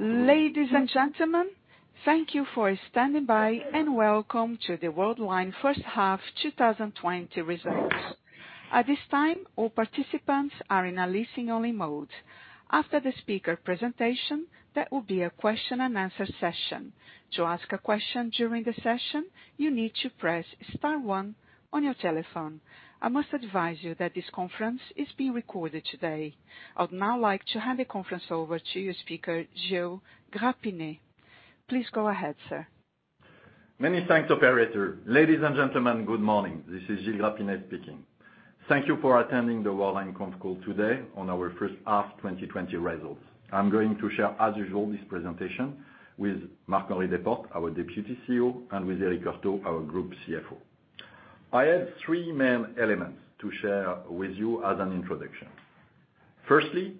Ladies and gentlemen, thank you for standing by, and welcome to the Worldline First Half 2020 Results. At this time, all participants are in a listening only mode. After the speaker presentation, there will be a question and answer session. To ask a question during the session, you need to press star one on your telephone. I must advise you that this conference is being recorded today. I would now like to hand the conference over to your speaker, Gilles Grapinet. Please go ahead, sir. Many thanks, operator. Ladies and gentlemen, good morning. This is Gilles Grapinet speaking. Thank you for attending the Worldline Conference Call today on our First Half 2020 Results. I'm going to share, as usual, this presentation with Marc-Henri Desportes, our Deputy CEO, and with Eric Heurtaux, our Group CFO. I have three main elements to share with you as an introduction. Firstly,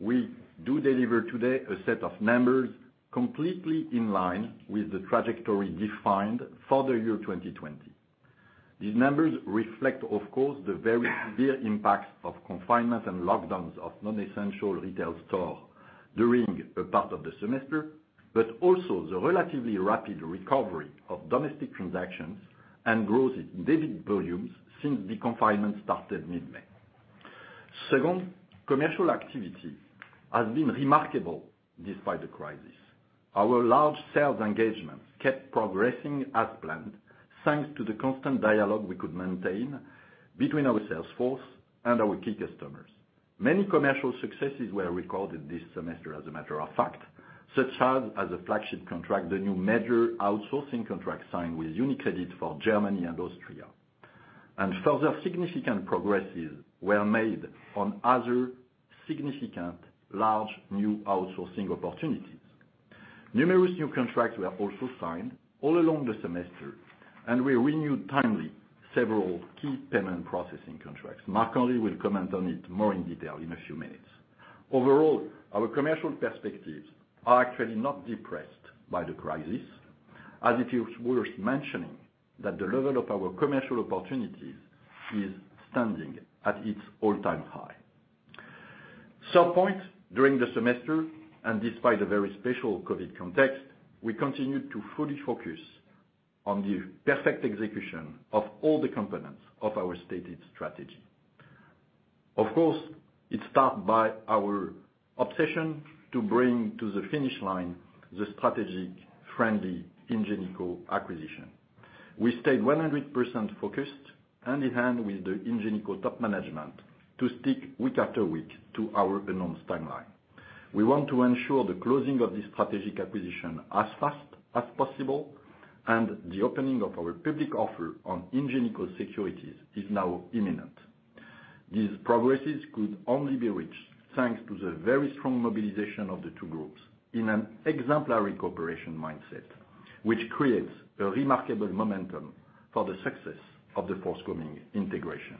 we do deliver today a set of numbers completely in line with the trajectory defined for the year 2020. These numbers reflect, of course, the very severe impacts of confinement and lockdowns of non-essential retail store during a part of the semester, but also the relatively rapid recovery of domestic transactions and growth in debit volumes since the confinement started mid-May. Second, commercial activity has been remarkable despite the crisis. Our large sales engagements kept progressing as planned, thanks to the constant dialogue we could maintain between our sales force and our key customers. Many commercial successes were recorded this semester, as a matter of fact, such as, as a flagship contract, the new major outsourcing contract signed with UniCredit for Germany and Austria. Further significant progresses were made on other significant large, new outsourcing opportunities. Numerous new contracts were also signed all along the semester, and we renewed timely several key payment processing contracts. Marc-Henri will comment on it more in detail in a few minutes. Overall, our commercial perspectives are actually not depressed by the crisis, as it is worth mentioning that the level of our commercial opportunities is standing at its all-time high. Some point during the semester, and despite the very special COVID context, we continued to fully focus on the perfect execution of all the components of our stated strategy. Of course, it starts by our obsession to bring to the finish line the strategic friendly Ingenico acquisition. We stayed 100% focused, hand in hand with the Ingenico top management, to stick week after week to our announced timeline. We want to ensure the closing of this strategic acquisition as fast as possible, and the opening of our public offer on Ingenico Securities is now imminent. This progress could only be reached thanks to the very strong mobilization of the two groups in an exemplary cooperation mindset, which creates a remarkable momentum for the success of the forthcoming integration.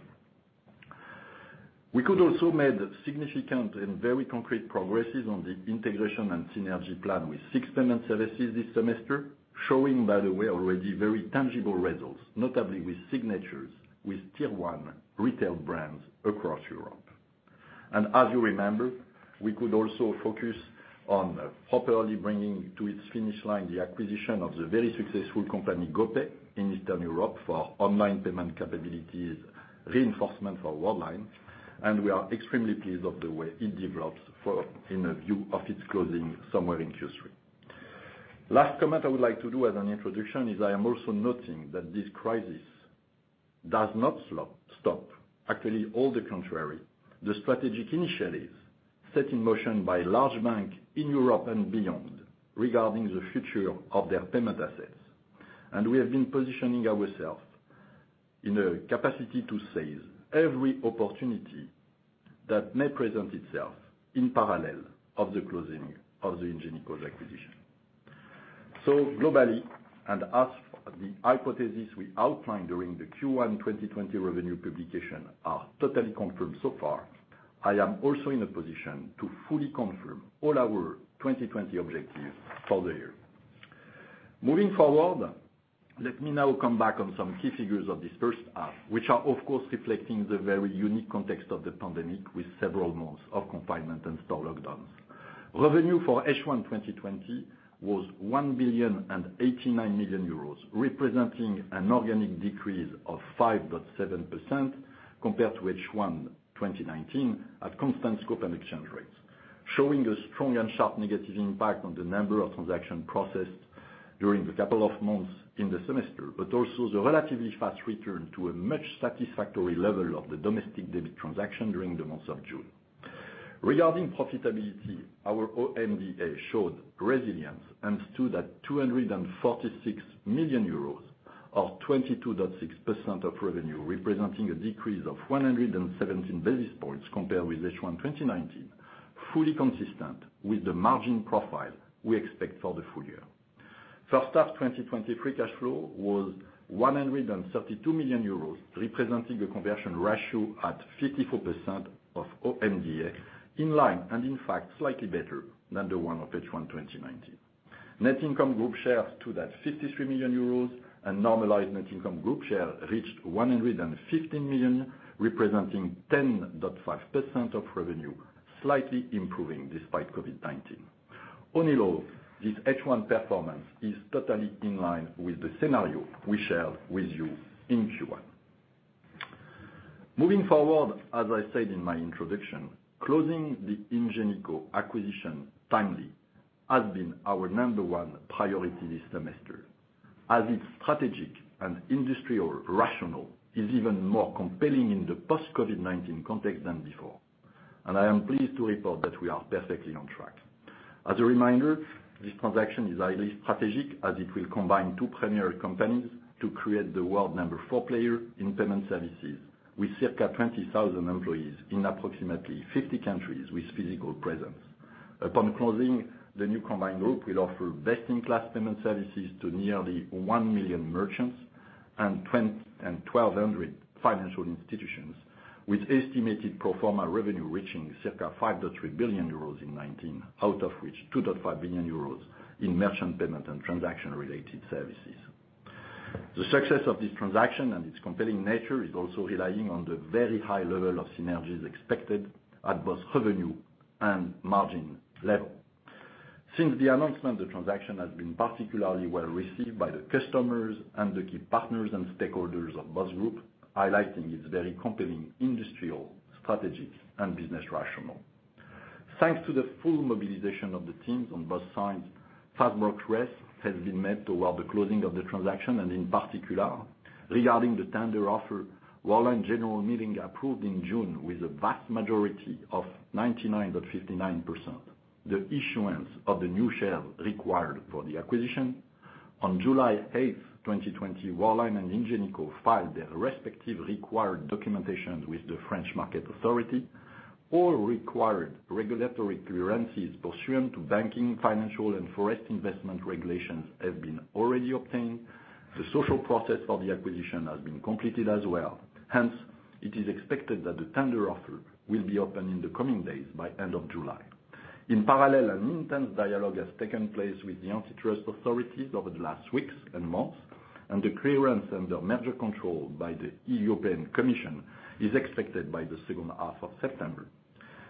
We also made significant and very concrete progress on the integration and synergy plan with SIX Payment Services this semester, showing, by the way, already very tangible results, notably with signatures with Tier 1 retail brands across Europe. As you remember, we could also focus on properly bringing to its finish line the acquisition of the very successful company, GoPay, in Eastern Europe for online payment capabilities, reinforcement for Worldline, and we are extremely pleased with the way it develops, in a view of its closing somewhere in Q3. Last comment I would like to do as an introduction is I am also noting that this crisis does not stop. Actually, on the contrary, the strategic initiatives set in motion by large banks in Europe and beyond regarding the future of their payment assets. We have been positioning ourselves in a capacity to seize every opportunity that may present itself in parallel of the closing of the Ingenico acquisition. So globally, and as the hypothesis we outlined during the Q1 2020 revenue publication are totally confirmed so far, I am also in a position to fully confirm all our 2020 objectives for the year. Moving forward, let me now come back on some key figures of this first half, which are, of course, reflecting the very unique context of the pandemic, with several months of confinement and store lockdowns. Revenue for H1 2020 was 1,089 million euros, representing an organic decrease of 5.7% compared to H1 2019 at constant scope and exchange rates, showing a strong and sharp negative impact on the number of transactions processed during the couple of months in the semester, but also the relatively fast return to a much satisfactory level of the domestic debit transaction during the month of June. Regarding profitability, our OMDA showed resilience and stood at 246 million euros, or 22.6% of revenue, representing a decrease of 117 basis points compared with H1 2019, fully consistent with the margin profile we expect for the full year. First half 2020 free cash flow was 132 million euros, representing a conversion ratio at 54% of OMDA, in line, and in fact, slightly better than the one of H1 2019. Net income group shares to that 53 million euros, and normalized net income group share reached 115 million, representing 10.5% of revenue, slightly improving despite COVID-19. All in all, this H1 performance is totally in line with the scenario we shared with you in Q1. Moving forward, as I said in my introduction, closing the Ingenico acquisition timely has been our number one priority this semester, as its strategic and industrial rationale is even more compelling in the post-COVID-19 context than before, and I am pleased to report that we are perfectly on track. As a reminder, this transaction is highly strategic, as it will combine two primary companies to create the world number 4 player in payment services, with circa 20,000 employees in approximately 50 countries with physical presence. Upon closing, the new combined group will offer best-in-class payment services to nearly 1 million merchants and 2,100 financial institutions, with estimated pro forma revenue reaching circa 5.3 billion euros in 2019, out of which 2.5 billion euros in merchant payment and transaction-related services. The success of this transaction and its compelling nature is also relying on the very high level of synergies expected at both revenue and margin level. Since the announcement, the transaction has been particularly well received by the customers and the key partners and stakeholders of both groups, highlighting its very compelling industrial, strategic, and business rationale. Thanks to the full mobilization of the teams on both sides, fast progress has been made toward the closing of the transaction, and in particular, regarding the tender offer, Worldline general meeting approved in June with a vast majority of 99.59%, the issuance of the new shares required for the acquisition. On July 8, 2020, Worldline and Ingenico filed their respective required documentation with the French Market Authority. All required regulatory clearances pursuant to banking, financial, and foreign investment regulations have been already obtained. The social process for the acquisition has been completed as well. Hence, it is expected that the tender offer will be open in the coming days by end of July. In parallel, an intense dialogue has taken place with the antitrust authorities over the last weeks and months, and the clearance under merger control by the European Commission is expected by the second half of September.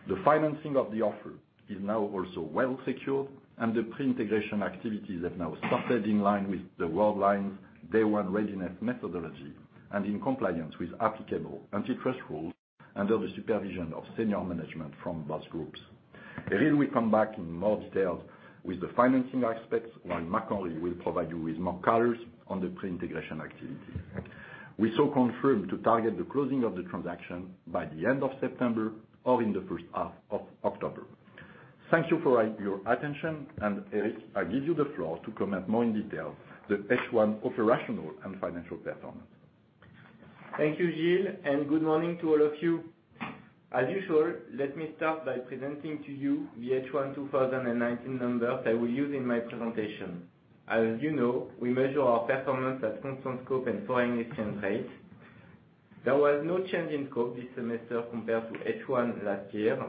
The financing of the offer is now also well secured, and the pre-integration activities have now started in line with Worldline's Day One Readiness methodology and in compliance with applicable antitrust rules under the supervision of senior management from both groups. Eric will come back in more details with the financing aspects, while Marc-Henri will provide you with more colors on the pre-integration activity. We so confirm to target the closing of the transaction by the end of September or in the first half of October. Thank you for your attention, and Eric, I give you the floor to comment more in detail the H1 operational and financial performance. Thank you, Gilles, and good morning to all of you. As usual, let me start by presenting to you the H1 2019 numbers I will use in my presentation. As you know, we measure our performance at constant scope and foreign exchange rates. There was no change in scope this semester compared to H1 last year,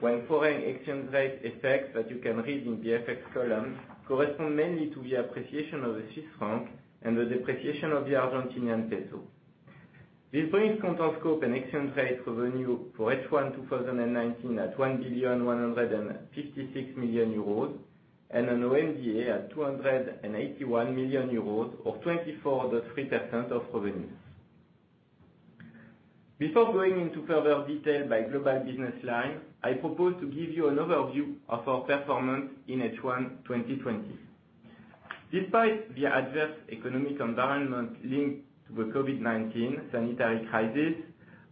when foreign exchange rate effects that you can read in the FX column correspond mainly to the appreciation of the Swiss franc and the depreciation of the Argentine peso. This brings constant scope and exchange rate revenue for H1 2019 at 1,156 million euros, and an OMDA at 281 million euros, or 24.3% of revenues. Before going into further detail by global business line, I propose to give you an overview of our performance in H1 2020. Despite the adverse economic environment linked to the COVID-19 sanitary crisis,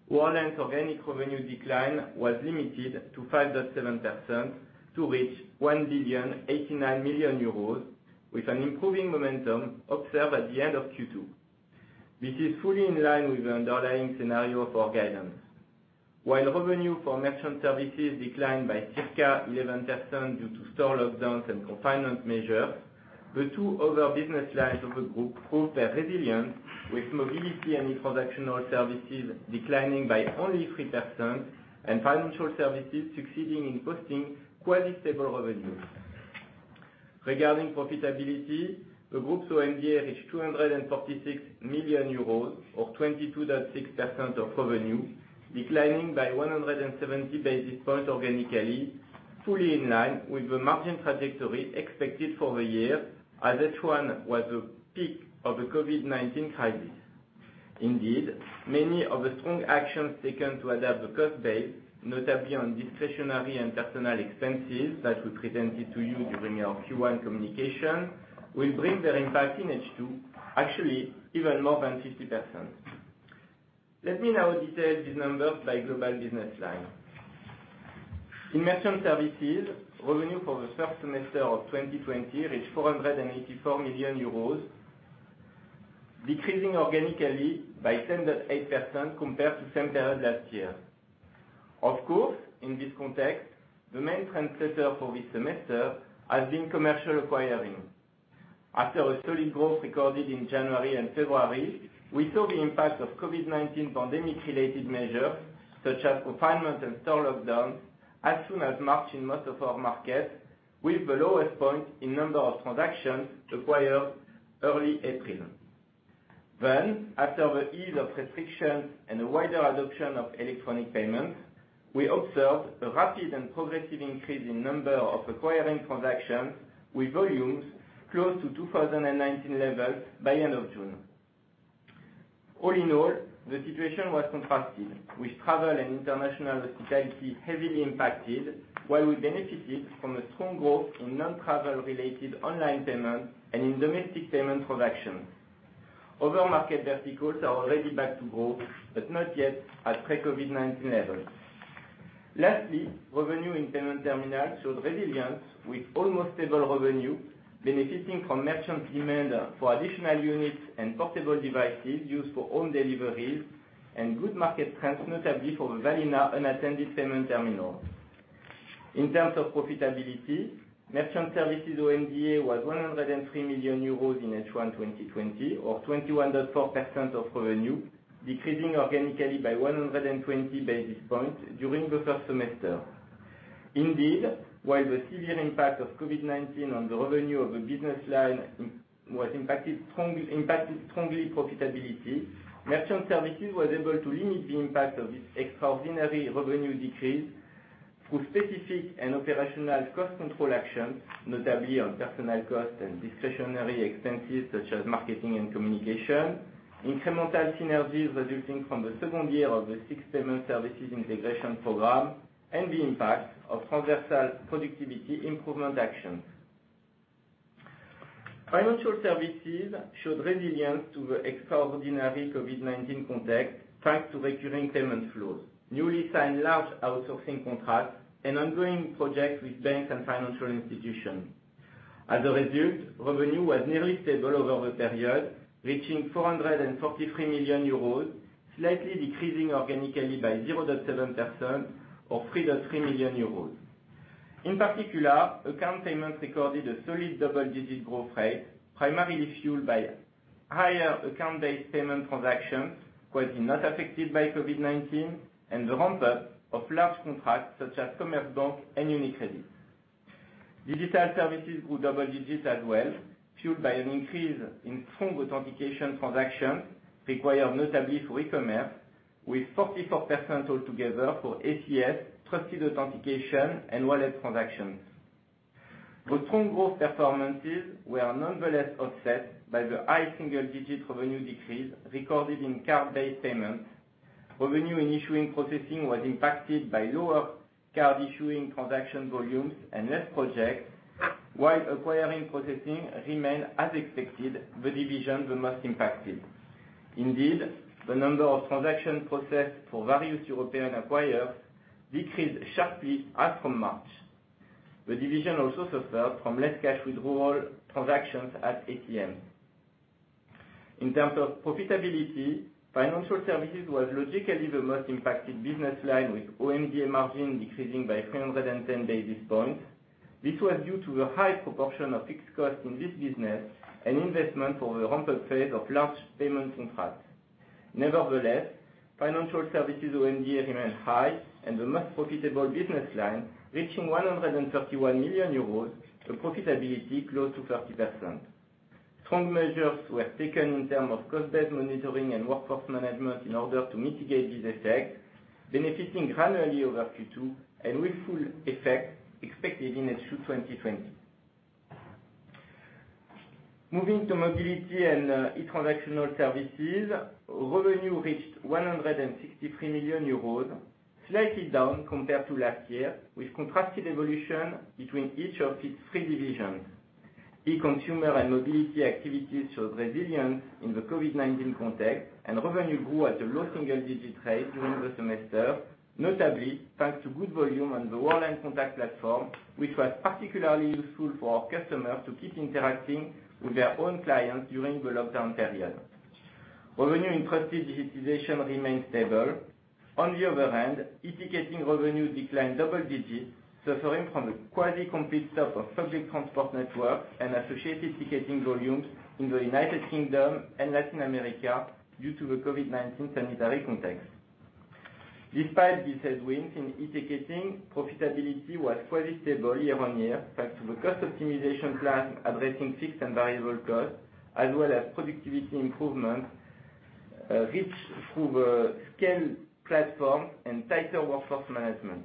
Worldline's organic revenue decline was limited to 5.7%, to reach 1,089 million euros, with an improving momentum observed at the end of Q2. This is fully in line with the underlying scenario of our guidance. While revenue for merchant services declined by circa 11% due to store lockdowns and confinement measures, the two other business lines of the group proved their resilience, with mobility and e-transactional services declining by only 3% and financial services succeeding in posting quasi-stable revenues. Regarding profitability, the group's OMDA reached 246 million euros, or 22.6% of revenue, declining by 170 basis points organically, fully in line with the margin trajectory expected for the year, as H1 was the peak of the COVID-19 crisis. Indeed, many of the strong actions taken to adapt the cost base, notably on discretionary and personal expenses that we presented to you during our Q1 communication, will bring their impact in H2, actually, even more than 50%. Let me now detail these numbers by global business line. In Merchant Services, revenue for the first semester of 2020 reached 484 million euros, decreasing organically by 10.8% compared to same period last year. Of course, in this context, the main trendsetter for this semester has been Commercial Acquiring. After a steady growth recorded in January and February, we saw the impact of COVID-19 pandemic-related measures, such as confinement and store lockdown, as soon as March in most of our markets, with the lowest point in number of transactions acquired early April. Then, after the ease of restrictions and a wider adoption of electronic payment, we observed a rapid and progressive increase in number of acquiring transactions, with volumes close to 2019 levels by end of June. All in all, the situation was contrasting, with travel and international hospitality heavily impacted, while we benefited from a strong growth in non-travel related online payment and in domestic payment transactions. Other market verticals are already back to growth, but not yet at pre-COVID-19 levels. Lastly, revenue in payment terminals showed resilience, with almost stable revenue benefiting from merchant demand for additional units and portable devices used for home deliveries and good market trends, notably for VALINA unattended payment terminals. In terms of profitability, Merchant Services OMDA was 103 million euros in H1 2020, or 21.4% of revenue, decreasing organically by 120 basis points during the first semester. Indeed, while the severe impact of COVID-19 on the revenue of the business line was impacted strongly, impacted strongly profitability, Merchant Services was able to limit the impact of this extraordinary revenue decrease through specific and operational cost control actions, notably on personal costs and discretionary expenses, such as marketing and communication, incremental synergies resulting from the second year of the SIX Payment Services integration program, and the impact of transversal productivity improvement actions. Financial Services showed resilience to the extraordinary COVID-19 context, thanks to recurring payment flows, newly signed large outsourcing contracts, and ongoing projects with banks and financial institutions. As a result, revenue was nearly stable over the period, reaching 443 million euros, slightly decreasing organically by 0.7% or 3.3 million euros. In particular, account payments recorded a solid double-digit growth rate, primarily fueled by higher account-based payment transactions, quasi not affected by COVID-19, and the ramp-up of large contracts such as Commerzbank and UniCredit. Digital services grew double digits as well, fueled by an increase in strong authentication transactions required notably for e-commerce, with 44% altogether for ACS, trusted authentication, and wallet transactions. The strong growth performances were nonetheless offset by the high single-digit revenue decrease recorded in card-based payments. Revenue in issuing processing was impacted by lower card issuing transaction volumes and less project, while acquiring processing remained as expected, the division the most impacted. Indeed, the number of transactions processed for various European acquirers decreased sharply as from March. The division also suffered from less cash withdrawal transactions at ATM. In terms of profitability, Financial Services was logically the most impacted business line, with OMDA margin decreasing by 310 basis points. This was due to the high proportion of fixed costs in this business and investment for the ramp-up phase of large payment contracts. Nevertheless, Financial Services OMDA remained high and the most profitable business line, reaching 131 million euros, a profitability close to 30%. Strong measures were taken in terms of cost-based monitoring and workforce management in order to mitigate this effect, benefiting granularly over Q2 and with full effect expected in H2, 2020. Moving to mobility and e-transactional services, revenue reached 163 million euros, slightly down compared to last year, with contrasted evolution between each of its three divisions. E-consumer and mobility activities showed resilience in the COVID-19 context, and revenue grew at a low single-digit rate during the semester, notably thanks to good volume on the Worldline Contact platform, which was particularly useful for our customers to keep interacting with their own clients during the lockdown period. Revenue in trusted digitization remained stable. On the other hand, e-ticketing revenue declined double digits, suffering from the quasi complete stop of public transport networks and associated ticketing volumes in the United Kingdom and Latin America due to the COVID-19 sanitary context. Despite these headwinds in e-ticketing, profitability was quasi stable year-on-year, thanks to the cost optimization plan, addressing fixed and variable costs, as well as productivity improvement reached through the scale platform and tighter workforce management.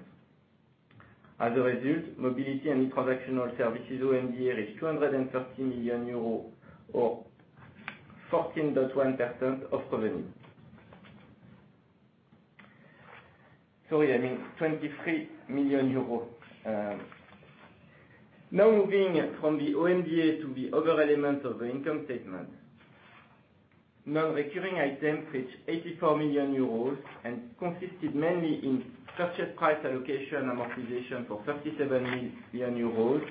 As a result, Mobility and e-Transactional Services OMDA is 230 million euros, or 14.1% of revenue. Sorry, I mean 23 million euros. Now moving from the OMDA to the other elements of the income statement. Non-recurring items reached 84 million euros and consisted mainly in purchase price allocation amortization for 37 million euros,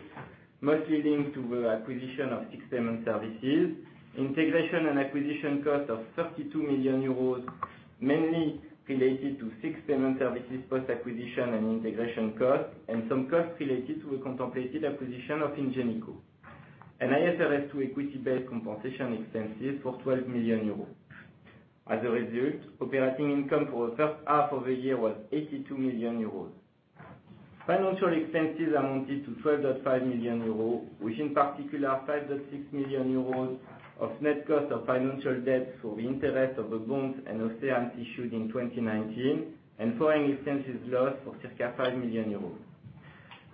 mostly linked to the acquisition of SIX Payment Services, integration and acquisition cost of 32 million euros, mainly related to SIX Payment Services, post-acquisition and integration cost, and some costs related to a contemplated acquisition of Ingenico. IFRS 2 equity-based compensation expenses for 12 million euros. As a result, operating income for the first half of the year was 82 million euros. Financial expenses amounted to 12.5 million euros, which in particular, 5.6 million euros of net cost of financial debt for the interest of the bonds and of sales issued in 2019, and foreign exchange loss of circa 5 million euros.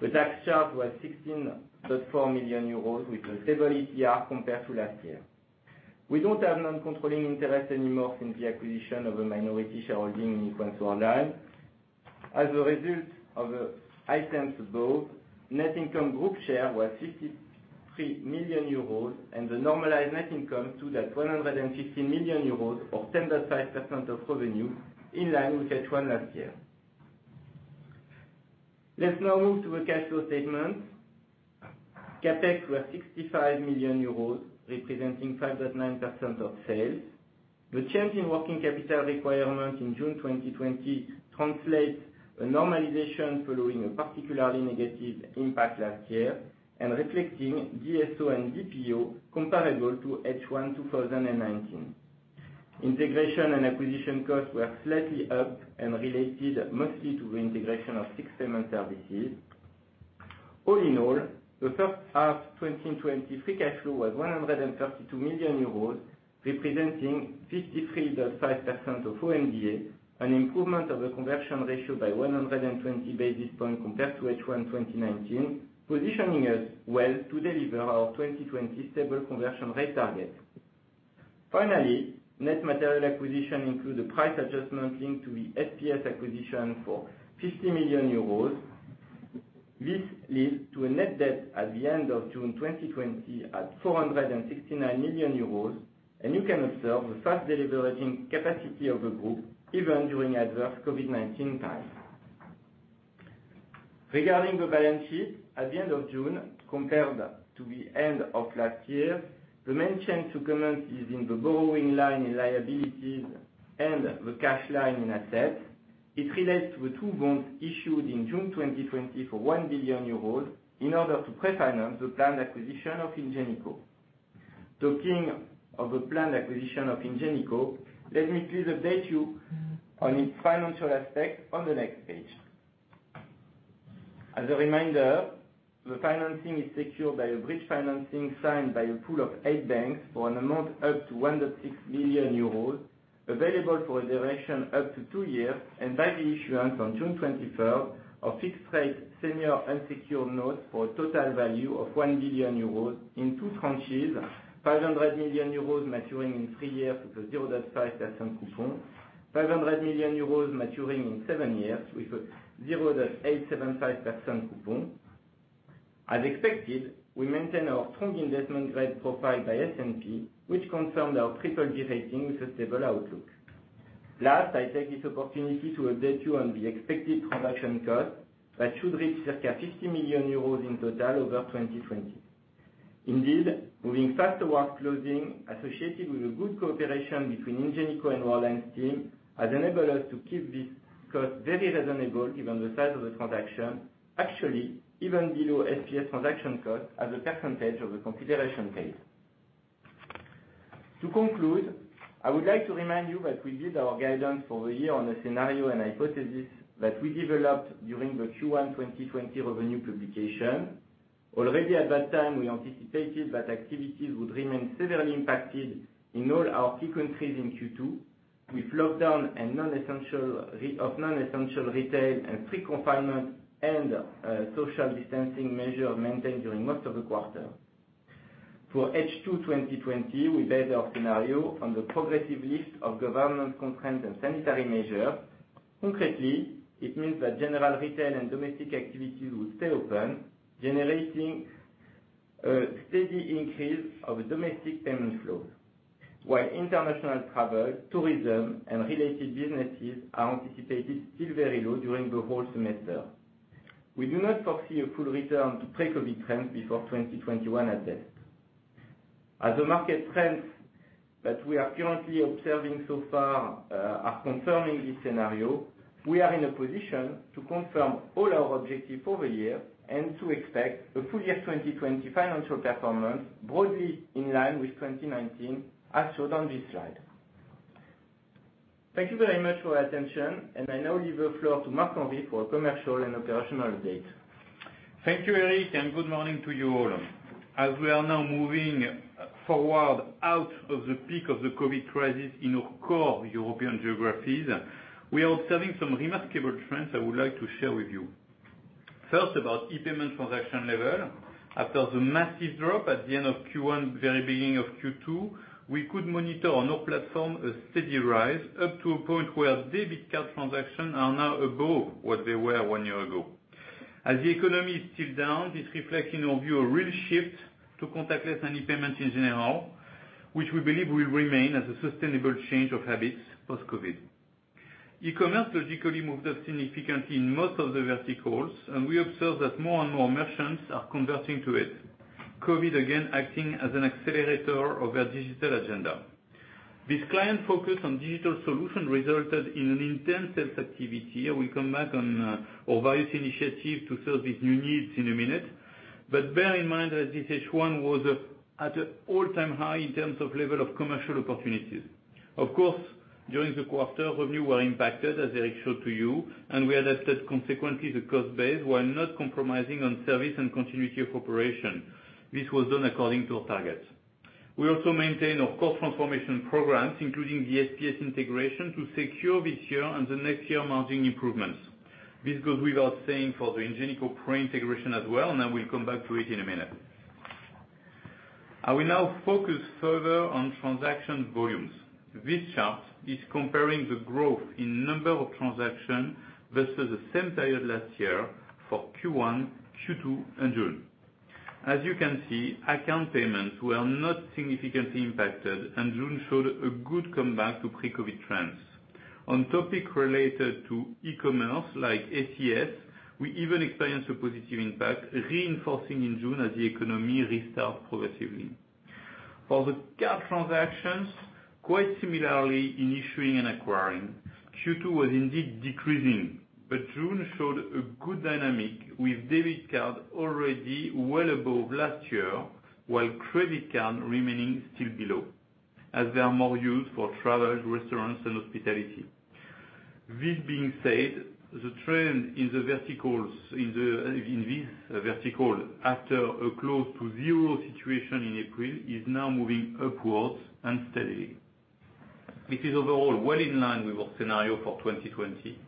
The tax charge was 16.4 million euros, with a stable ETR compared to last year. We don't have non-controlling interest anymore since the acquisition of a minority shareholding in Worldline. As a result of the items above, net income group share was 53 million euros, and the normalized net income to that 150 million euros, or 10.5% of revenue, in line with H1 last year. Let's now move to a cash flow statement. CapEx were 65 million euros, representing 5.9% of sales. The change in working capital requirement in June 2020 translates a normalization following a particularly negative impact last year, and reflecting DSO and DPO comparable to H1 2019. Integration and acquisition costs were slightly up and related mostly to the integration of SIX Payment Services. All in all, the first half 2020 free cash flow was 132 million euros, representing 53.5% of OMDA, an improvement of the conversion ratio by 120 basis points compared to H1 2019, positioning us well to deliver our 2020 stable conversion rate target. Finally, net material acquisition includes a price adjustment linked to the SPS acquisition for 50 million euros. This leads to a net debt at the end of June 2020 at 469 million euros, and you can observe the fast deleveraging capacity of the group, even during adverse COVID-19 times. Regarding the balance sheet, at the end of June, compared to the end of last year, the main change to comment is in the borrowing line in liabilities and the cash line in assets. It relates to the two bonds issued in June 2020 for 1 billion euros in order to pre-finance the planned acquisition of Ingenico. Talking of the planned acquisition of Ingenico, let me please update you on its financial aspect on the next page. As a reminder, the financing is secured by a bridge financing signed by a pool of eight banks for an amount up to 1.6 billion euros, available for a duration up to 2 years, and by the issuance on June 23rd, of fixed-rate senior unsecured notes for a total value of 1 billion euros in two tranches, 500 million euros maturing in 3 years with a 0.5% coupon, 500 million euros maturing in 7 years with a 0.875% coupon. As expected, we maintain our strong investment grade profile by S&P, which confirmed our BBB rating with a stable outlook. Last, I take this opportunity to update you on the expected transaction cost, that should reach circa 50 million euros in total over 2020. Indeed, moving fast towards closing, associated with a good cooperation between Ingenico and Worldline's team, has enabled us to keep this cost very reasonable, given the size of the transaction, actually, even below SPS transaction cost as a percentage of the consideration paid. To conclude, I would like to remind you that we did our guidance for the year on a scenario and hypothesis that we developed during the Q1 2020 revenue publication. Already at that time, we anticipated that activities would remain severely impacted in all our frequencies in Q2, with lockdown and non-essential re- of non-essential retail and free confinement, and social distancing measures maintained during most of the quarter. For H2 2020, we base our scenario on the progressive list of government constraints and sanitary measures. Concretely, it means that general retail and domestic activities will stay open, generating a steady increase of domestic payment flows, while international travel, tourism, and related businesses are anticipated still very low during the whole semester. We do not foresee a full return to pre-COVID trends before 2021 at best. As the market trends that we are currently observing so far, are confirming this scenario, we are in a position to confirm all our objectives for the year and to expect the full year 2020 financial performance broadly in line with 2019, as shown on this slide. Thank you very much for your attention, and I now give the floor to Marc-Henri for a commercial and operational update. Thank you, Eric, and good morning to you all. As we are now moving forward out of the peak of the COVID crisis in our core European geographies, we are observing some remarkable trends I would like to share with you. First, about e-payment transaction level. After the massive drop at the end of Q1, very beginning of Q2, we could monitor on our platform a steady rise, up to a point where debit card transactions are now above what they were one year ago. As the economy is still down, this reflects, in our view, a real shift to contactless and e-payments in general, which we believe will remain as a sustainable change of habits post-COVID. E-commerce logically moved up significantly in most of the verticals, and we observe that more and more merchants are converting to it. COVID, again, acting as an accelerator of their digital agenda. This client focus on digital solution resulted in an intense sales activity, and we come back on, our various initiatives to serve these new needs in a minute. But bear in mind that this H1 was at an all-time high in terms of level of commercial opportunities. Of course, during the quarter, revenue were impacted, as Eric showed to you, and we adapted consequently the cost base, while not compromising on service and continuity of operation. This was done according to our targets. We also maintain our cost transformation programs, including the SPS integration, to secure this year and the next year margin improvements. This goes without saying for the Ingenico pre-integration as well, and I will come back to it in a minute. I will now focus further on transaction volumes. This chart is comparing the growth in number of transactions versus the same period last year for Q1, Q2, and June. As you can see, account payments were not significantly impacted, and June showed a good comeback to pre-COVID trends. On topic related to e-commerce, like SES, we even experienced a positive impact, reinforcing in June as the economy restart progressively. For the card transactions, quite similarly in issuing and acquiring, Q2 was indeed decreasing, but June showed a good dynamic, with debit card already well above last year, while credit card remaining still below, as they are more used for travel, restaurants, and hospitality. This being said, the trend in the verticals, in this vertical, after a close to zero situation in April, is now moving upwards and steadily. It is overall well in line with our scenario for 2020,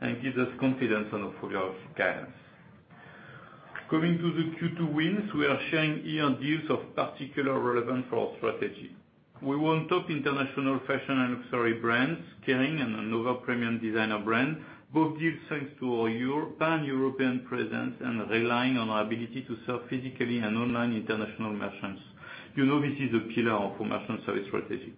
and gives us confidence on the full year guidance. Coming to the Q2 wins, we are sharing here deals of particular relevance for our strategy. We won top international fashion and luxury brands, Kering and another premium designer brand, both deals thanks to our Pan-European presence and relying on our ability to serve physically and online international merchants. You know, this is a pillar of our merchant service strategy.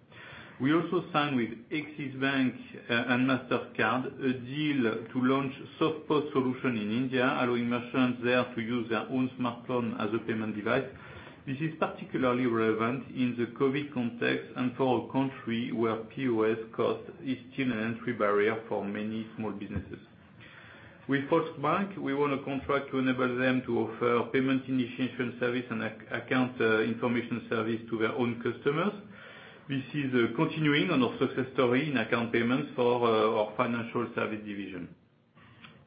We also signed with Axis Bank and Mastercard, a deal to launch SoftPOS solution in India, allowing merchants there to use their own smartphone as a payment device. This is particularly relevant in the COVID context, and for a country where POS cost is still an entry barrier for many small businesses. With Postbank, we won a contract to enable them to offer payment initiation service and account information service to their own customers. This is continuing on our success story in account payments for our financial service division.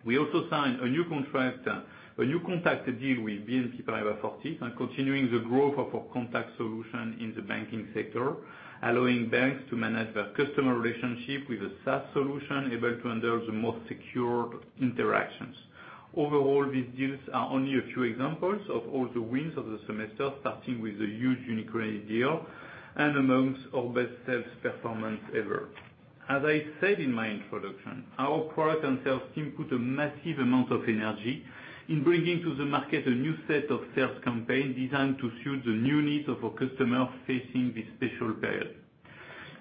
We also signed a new contract deal with BNP Paribas Fortis, and continuing the growth of our contact solution in the banking sector, allowing banks to manage their customer relationship with a SaaS solution able to endure the most secure interactions. Overall, these deals are only a few examples of all the wins of the semester, starting with the huge UniCredit deal, and amongst our best sales performance ever. As I said in my introduction, our product and sales team put a massive amount of energy in bringing to the market a new set of sales campaigns designed to suit the new needs of our customers facing this special period.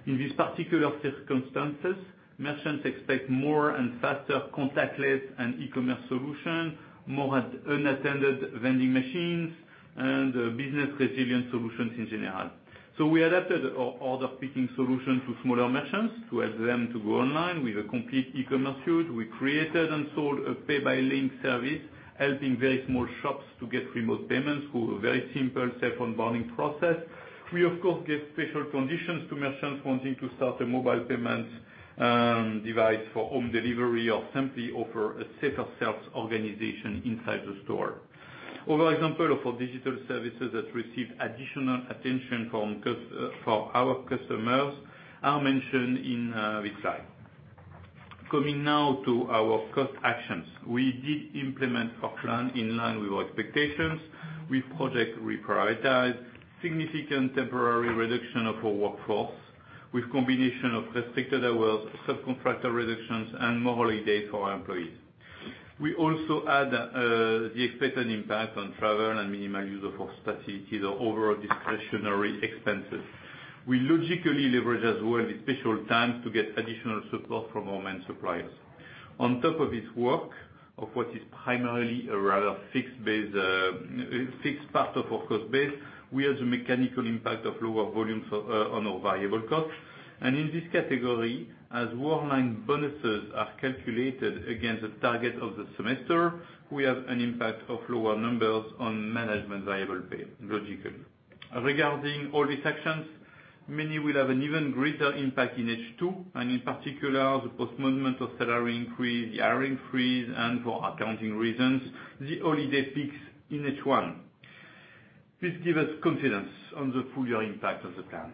In these particular circumstances, merchants expect more and faster contactless and e-commerce solutions, more un-unattended vending machines, and business resilience solutions in general. So we adapted our order picking solution to smaller merchants to help them to go online with a complete e-commerce suite. We created and sold a Pay by Link service, helping very small shops to get remote payments through a very simple cell phone onboarding process. We, of course, gave special conditions to merchants wanting to start a mobile payment device for home delivery, or simply offer a safer sales organization inside the store. Other example of our digital services that received additional attention from our customers are mentioned in this slide. Coming now to our cost actions. We did implement our plan in line with our expectations. We proactively reprioritized significant temporary reduction of our workforce, with combination of restricted hours, subcontractor reductions, and more holiday for our employees. We also had the expected impact on travel and minimal use of our facilities and overall discretionary expenses. We logically leverage as well, the special times to get additional support from our main suppliers. On top of this work, of what is primarily a rather fixed base, fixed part of our cost base, we have the mechanical impact of lower volumes on our variable costs. In this category, as Worldline bonuses are calculated against the target of the semester, we have an impact of lower numbers on management variable pay, logical. Regarding all these actions, many will have an even greater impact in H2, and in particular, the postponement of salary increase, the hiring freeze, and for accounting reasons, the holiday peaks in H1. This give us confidence on the full year impact of the plan.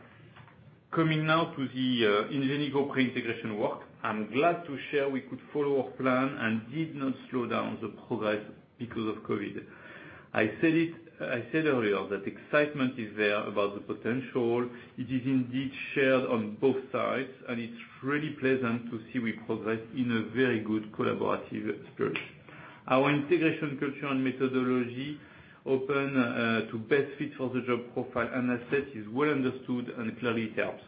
Coming now to the Ingenico pre-integration work. I'm glad to share we could follow our plan and did not slow down the progress because of COVID. I said it - I said earlier, that excitement is there about the potential. It is indeed shared on both sides, and it's really pleasant to see we progress in a very good collaborative spirit. Our integration culture and methodology, open to best fit for the job profile and asset, is well understood and clearly helps.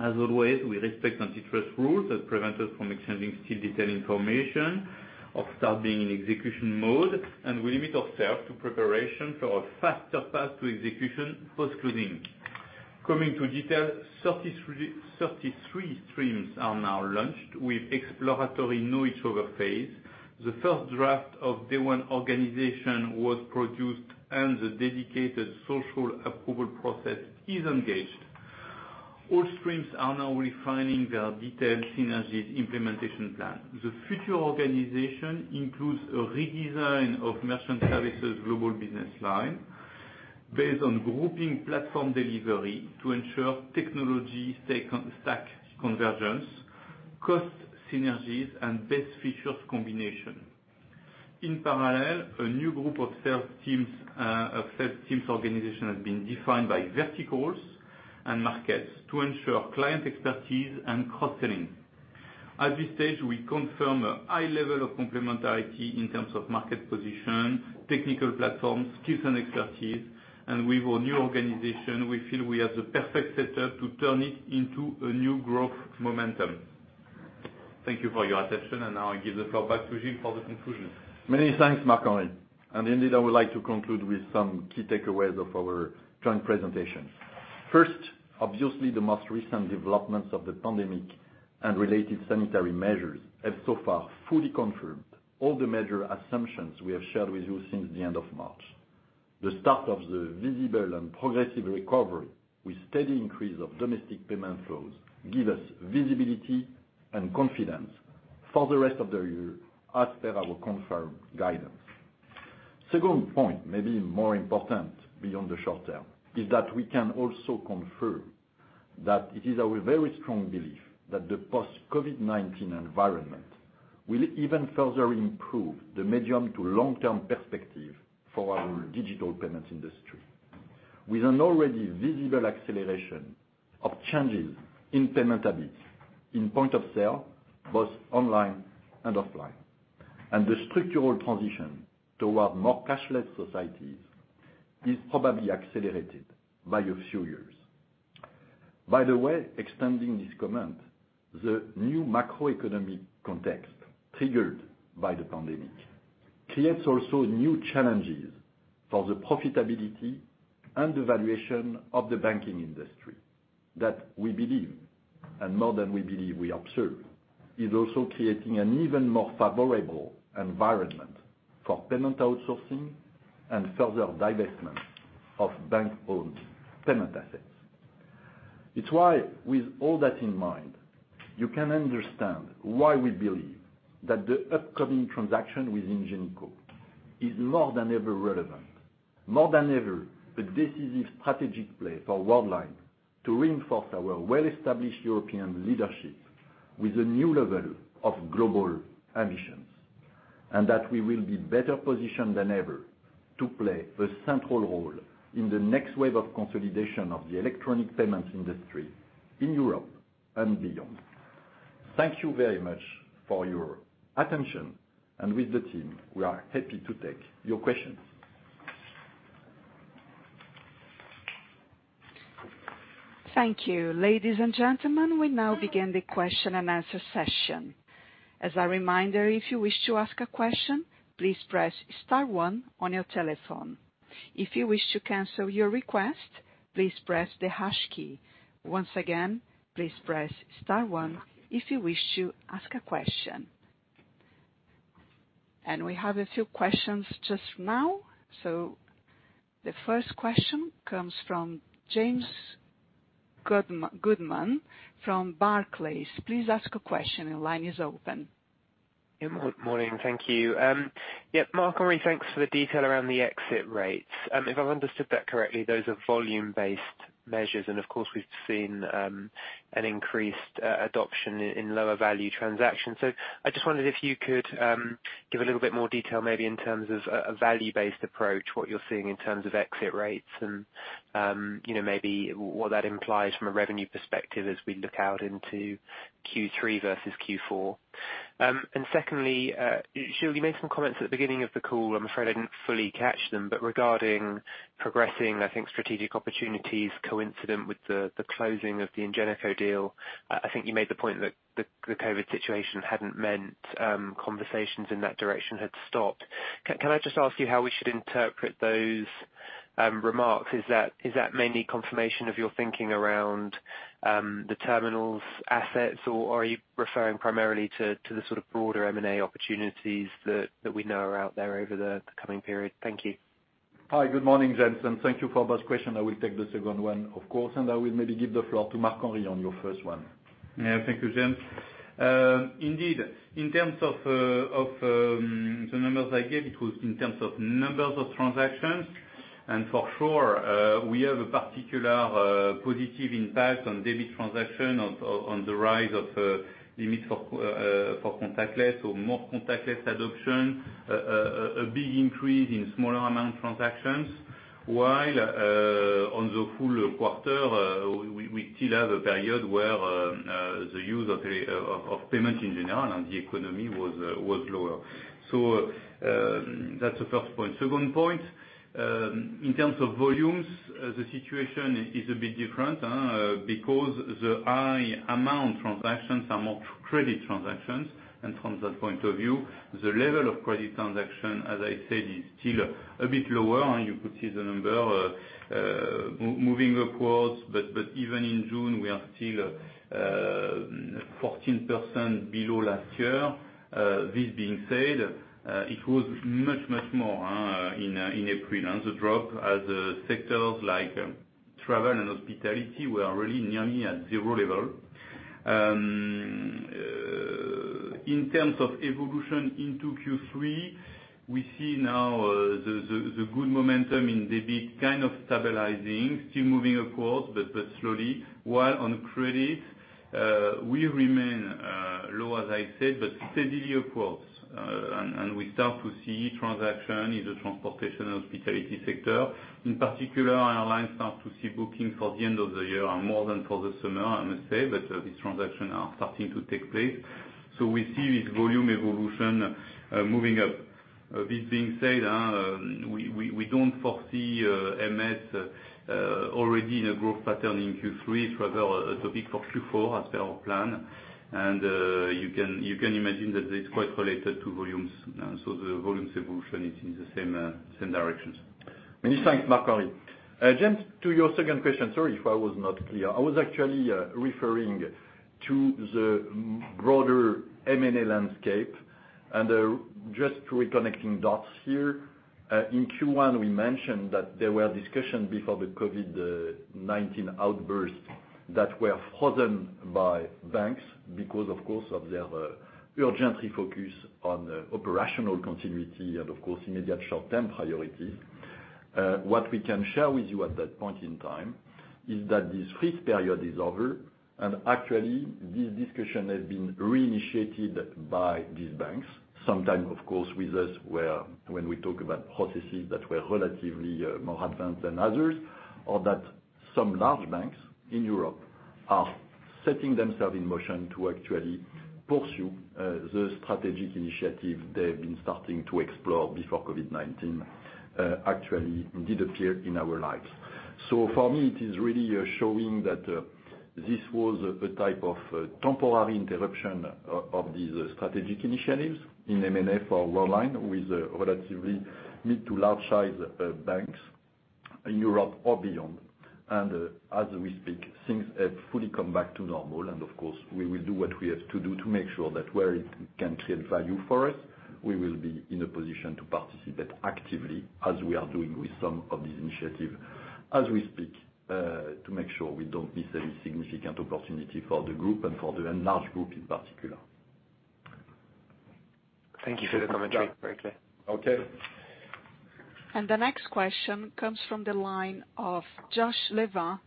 As always, we respect antitrust rules that prevent us from exchanging still detailed information of starting in execution mode, and we limit ourselves to preparation for a faster path to execution post-closing. Coming to detail, 33, 33 streams are now launched with exploratory know-each-other phase. The first draft of day one organization was produced, and the dedicated social approval process is engaged. All streams are now refining their detailed synergies implementation plan. The future organization includes a redesign of Merchant Services global business line based on grouping platform delivery to ensure technology stack convergence, cost synergies, and best features combination. In parallel, a new group of sales teams, of sales teams organization has been defined by verticals and markets to ensure client expertise and cross-selling. At this stage, we confirm a high level of complementarity in terms of market position, technical platform, skills, and expertise, and with our new organization, we feel we have the perfect setup to turn it into a new growth momentum. Thank you for your attention, and now I give the floor back to Gilles for the conclusion. Many thanks, Marc-Henri. And indeed, I would like to conclude with some key takeaways of our joint presentation. First, obviously, the most recent developments of the pandemic and related sanitary measures have so far fully confirmed all the major assumptions we have shared with you since the end of March. The start of the visible and progressive recovery with steady increase of domestic payment flows give us visibility and confidence for the rest of the year as per our confirmed guidance. Second point, maybe more important beyond the short term, is that we can also confirm that it is our very strong belief that the post-COVID-19 environment will even further improve the medium to long-term perspective for our digital payments industry. With an already visible acceleration of changes in payment habits, in point of sale, both online and offline, and the structural transition toward more cashless societies is probably accelerated by a few years. By the way, extending this comment, the new macroeconomic context triggered by the pandemic creates also new challenges for the profitability and the valuation of the banking industry that we believe, and more than we believe, we observe, is also creating an even more favorable environment for payment outsourcing and further divestment of bank-owned payment assets. It's why, with all that in mind, you can understand why we believe that the upcoming transaction with Ingenico is more than ever relevant, more than ever, a decisive strategic play for Worldline to reinforce our well-established European leadership with a new level of global ambitions, and that we will be better positioned than ever to play a central role in the next wave of consolidation of the electronic payment industry in Europe and beyond. Thank you very much for your attention, and with the team, we are happy to take your questions. Thank you. Ladies and gentlemen, we now begin the question and answer session. As a reminder, if you wish to ask a question, please press star one on your telephone. If you wish to cancel your request, please press the hash key. Once again, please press star one if you wish to ask a question. And we have a few questions just now. So the first question comes from James Goodman from Barclays. Please ask your question. Your line is open. Yeah, good morning. Thank you. Yeah, Marc-Henri, thanks for the detail around the exit rates. If I've understood that correctly, those are volume-based measures, and of course, we've seen an increased adoption in lower value transactions. So I just wondered if you could give a little bit more detail, maybe in terms of a value-based approach, what you're seeing in terms of exit rates and, you know, maybe what that implies from a revenue perspective as we look out into Q3 versus Q4? And secondly, Gilles, you made some comments at the beginning of the call. I'm afraid I didn't fully catch them, but regarding progressing, I think, strategic opportunities coincident with the closing of the Ingenico deal, I think you made the point that the COVID situation hadn't meant conversations in that direction had stopped. Can I just ask you how we should interpret those remarks? Is that mainly confirmation of your thinking around the terminals assets, or are you referring primarily to the sort of broader M&A opportunities that we know are out there over the coming period? Thank you. Hi, good morning, James, and thank you for both questions. I will take the second one, of course, and I will maybe give the floor to Marc-Henri on your first one. Yeah. Thank you, James. Indeed, in terms of the numbers I gave, it was in terms of numbers of transactions, and for sure, we have a particular positive impact on debit transaction on the rise of limits for contactless, so more contactless adoption, a big increase in smaller amount transactions. While, on the full quarter, we still have a period where the use of payments in general and the economy was lower. So, that's the first point. Second point, in terms of volumes, the situation is a bit different, because the high amount transactions are more credit transactions. And from that point of view, the level of credit transaction, as I said, is still a bit lower, and you could see the number moving upwards. But even in June, we are still 14% below last year. This being said, it was much, much more in April, and the drop as sectors like travel and hospitality were really nearly at zero level. In terms of evolution into Q3, we see now the good momentum in debit kind of stabilizing, still moving upwards, but slowly, while on credit, we remain low, as I said, but steadily upwards. And we start to see transaction in the transportation and hospitality sector. In particular, airlines start to see booking for the end of the year are more than for the summer, I must say, but these transactions are starting to take place. So we see this volume evolution moving up. This being said, we don't foresee MS already in a growth pattern in Q3, rather the peak for Q4, as per our plan, and you can imagine that it's quite related to volumes. So the volumes evolution is in the same same directions. Many thanks, Marc-Henri. James, to your second question, sorry if I was not clear. I was actually referring to the broader M&A landscape, and just reconnecting dots here. In Q1, we mentioned that there were discussions before the COVID-19 outbreak that were frozen by banks because, of course, of their urgent focus on operational continuity and, of course, immediate short-term priorities. What we can share with you at that point in time is that this freeze period is over, and actually, this discussion has been reinitiated by these banks. Sometimes, of course, with us, where when we talk about processes that were relatively more advanced than others, or that some large banks in Europe are setting themselves in motion to actually pursue the strategic initiative they've been starting to explore before COVID-19 actually did appear in our lives. So for me, it is really showing that this was a type of temporary interruption of these strategic initiatives in M&A for Worldline, with relatively mid to large size banks in Europe or beyond. And as we speak, things have fully come back to normal, and of course, we will do what we have to do to make sure that where it can create value for us, we will be in a position to participate actively as we are doing with some of these initiatives, as we speak, to make sure we don't miss any significant opportunity for the group and for the large group in particular. Thank you for the commentary. Very clear. Okay. The next question comes from the line of Josh Levin,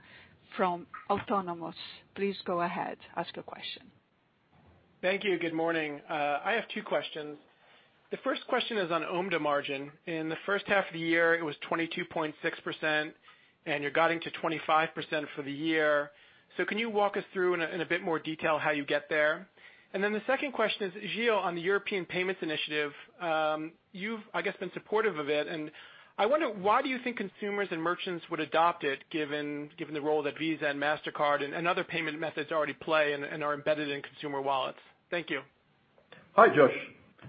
from Autonomous. Please go ahead, ask your question. Thank you. Good morning. I have two questions. The first question is on OMDA margin. In the first half of the year, it was 22.6%, and you're guiding to 25% for the year. So can you walk us through in a bit more detail how you get there? And then the second question is, Gilles, on the European Payments Initiative, you've, I guess, been supportive of it, and I wonder, why do you think consumers and merchants would adopt it, given, given the role that Visa and Mastercard and, and other payment methods already play and, and are embedded in consumer wallets? Thank you. Hi, Josh.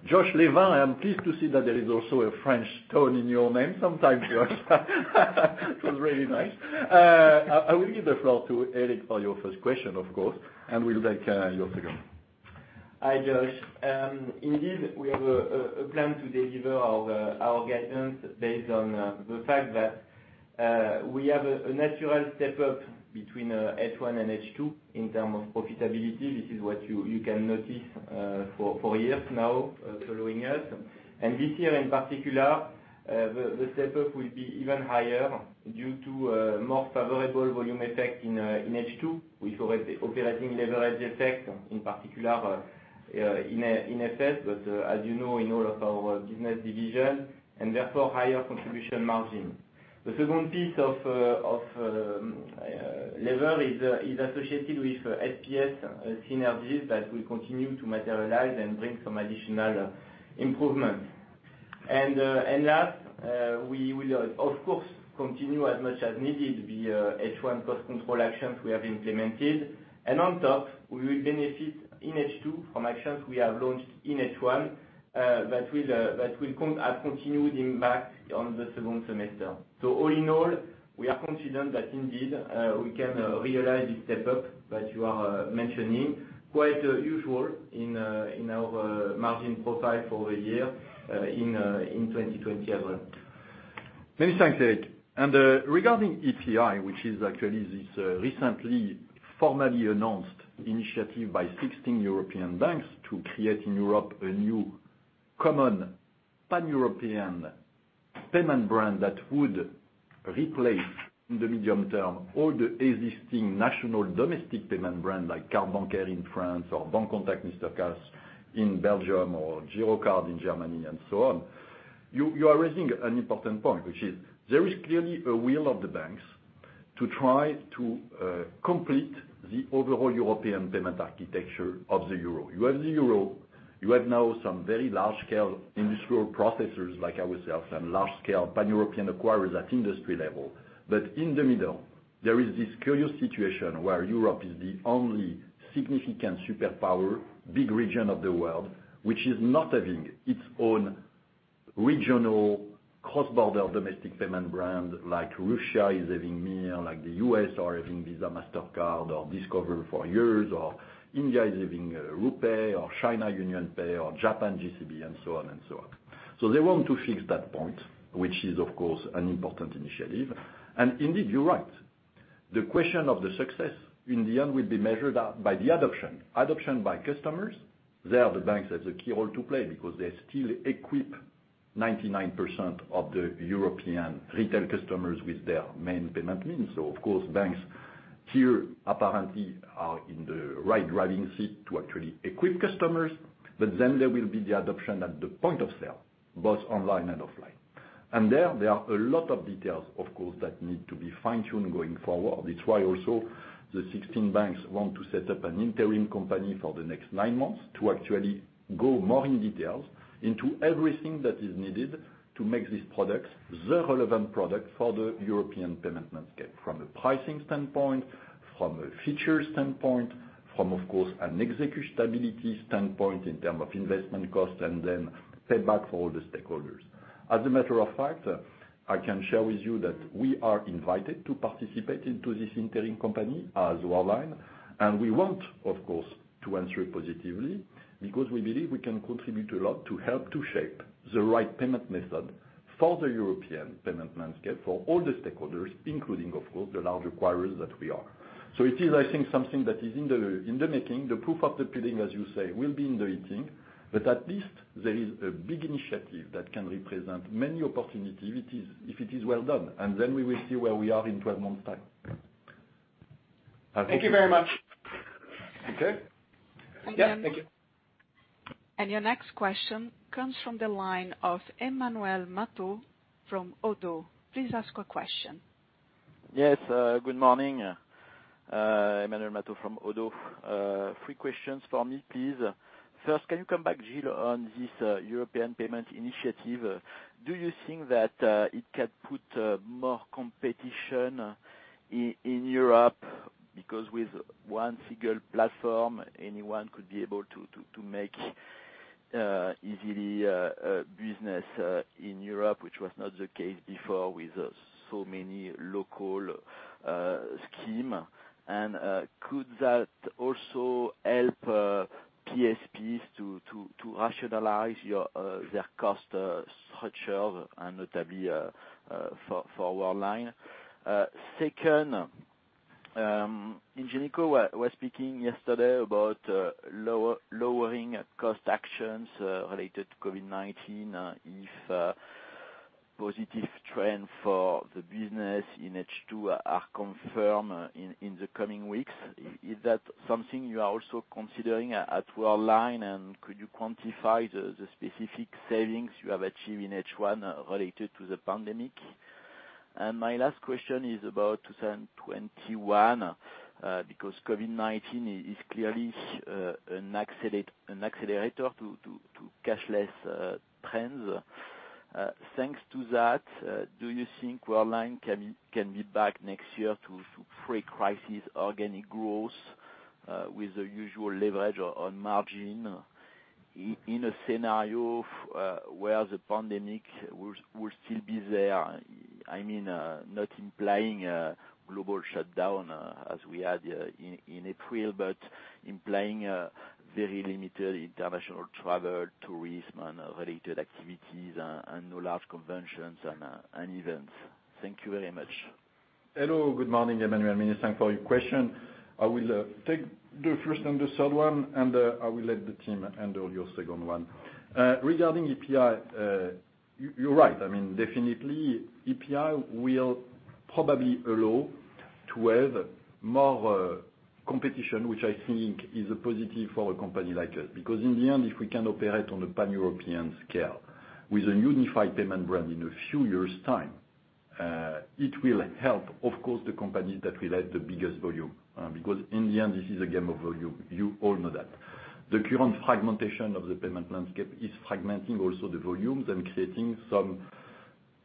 Josh Levin, I am pleased to see that there is also a French tone in your name sometime, Josh. It was really nice. I will give the floor to Eric for your first question, of course, and we'll take your second. Hi, Josh. Indeed, we have a plan to deliver our guidance based on the fact that we have a natural step up between H1 and H2 in term of profitability. This is what you can notice for years now following us. And this year, in particular, the step up will be even higher due to more favorable volume effect in H2, with operating leverage effect, in particular, in FS, but as you know, in all of our business division, and therefore, higher contribution margin. The second piece of lever is associated with SPS synergies that will continue to materialize and bring some additional improvement. And last, we will, of course, continue as much as needed, the H1 cost control actions we have implemented. And on top, we will benefit in H2 from actions we have launched in H1, that will have continued impact on the second semester. So all in all, we are confident that indeed, we can realize this step up that you are mentioning. Quite usual in our margin profile for the year, in 2020 as well. Many thanks, Eric. Regarding EPI, which is actually this recently formally announced initiative by 16 European banks to create in Europe a new common Pan-European payment brand that would replace, in the medium term, all the existing national domestic payment brand, like Cartes Bancaires in France or Bancontact Mister Cash in Belgium or Girocard in Germany, and so on. You are raising an important point, which is there is clearly a will of the banks to try to complete the overall European payment architecture of the euro. You have the euro, you have now some very large-scale industrial processors like ourselves, and large-scale pan-European acquirers at industry level. But in the middle, there is this curious situation where Europe is the only significant superpower, big region of the world, which is not having its own regional cross-border domestic payment brand like Russia is having Mir, like the U.S. are having Visa, Mastercard, or Discover for years, or India is having RuPay, or China, UnionPay, or Japan, JCB, and so on and so on. So they want to fix that point, which is, of course, an important initiative. And indeed, you're right. The question of the success in the end will be measured by the adoption. Adoption by customers, there the banks has a key role to play because they still equip 99% of the European retail customers with their main payment means. So of course, banks here, apparently, are in the right driving seat to actually equip customers. But then there will be the adoption at the point of sale, both online and offline. And there, there are a lot of details, of course, that need to be fine-tuned going forward. It's why also, the 16 banks want to set up an interim company for the next nine months to actually go more in details into everything that is needed to make these products the relevant product for the European payment landscape, from a pricing standpoint, from a feature standpoint, from, of course, an executability standpoint in terms of investment cost, and then payback for all the stakeholders. As a matter of fact, I can share with you that we are invited to participate into this interim company as Worldline, and we want, of course, to answer it positively, because we believe we can contribute a lot to help to shape the right payment method for the European payment landscape for all the stakeholders, including, of course, the large acquirers that we are. So it is, I think, something that is in the, in the making. The proof of the pudding, as you say, will be in the eating. But at least there is a big initiative that can represent many opportunities, if it is, if it is well done, and then we will see where we are in 12 months' time. Thank you very much. Okay. Yeah, thank you. Your next question comes from the line of Emmanuel Matot from Oddo. Please ask your question. Yes, good morning, Emmanuel Matot from Oddo. Three questions for me, please. First, can you come back, Gilles, on this European payment initiative? Do you think that it can put more competition in Europe? Because with one single platform, anyone could be able to make easily business in Europe, which was not the case before with so many local scheme. And could that also help PSPs to rationalize their cost structure and notably for Worldline? Second, Ingenico were speaking yesterday about lowering cost actions related to COVID-19, if positive trend for the business in H2 are confirmed in the coming weeks. Is that something you are also considering at Worldline? Could you quantify the specific savings you have achieved in H1 related to the pandemic? And my last question is about 2021, because COVID-19 is clearly an accelerator to cashless trends. Thanks to that, do you think Worldline can be back next year to pre-crisis organic growth, with the usual leverage on margin, in a scenario where the pandemic will still be there? I mean, not implying a global shutdown, as we had in April, but implying a very limited international travel, tourism, and related activities, and no large conventions and events. Thank you very much. Hello, good morning, Emmanuel. Thanks for your question. I will take the first and the third one, and I will let the team handle your second one. Regarding EPI, you, you're right. I mean, definitely, EPI will probably allow to have more competition, which I think is a positive for a company like us. Because in the end, if we can operate on a Pan-European scale with a unified payment brand in a few years' time, it will help, of course, the companies that will have the biggest volume, because in the end, this is a game of volume. You all know that. The current fragmentation of the payment landscape is fragmenting also the volumes and creating some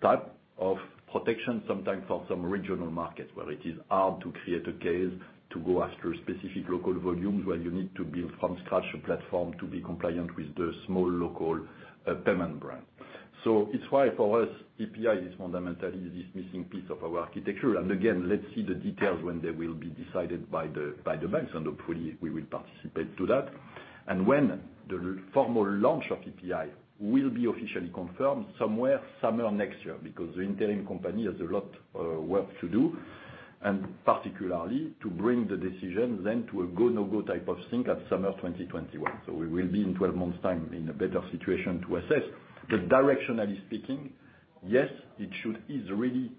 type of protection, sometimes for some regional markets, where it is hard to create a case to go after specific local volumes, where you need to build from scratch a platform to be compliant with the small local payment brand. So it's why, for us, EPI is fundamentally this missing piece of our architecture. And again, let's see the details when they will be decided by the banks, and hopefully, we will participate to that. And when the formal launch of EPI will be officially confirmed somewhere summer next year, because the interim company has a lot work to do, and particularly to bring the decision then to a go, no-go type of thing at summer 2021. So we will be in 12 months' time in a better situation to assess. But directionally speaking, yes, it should ease really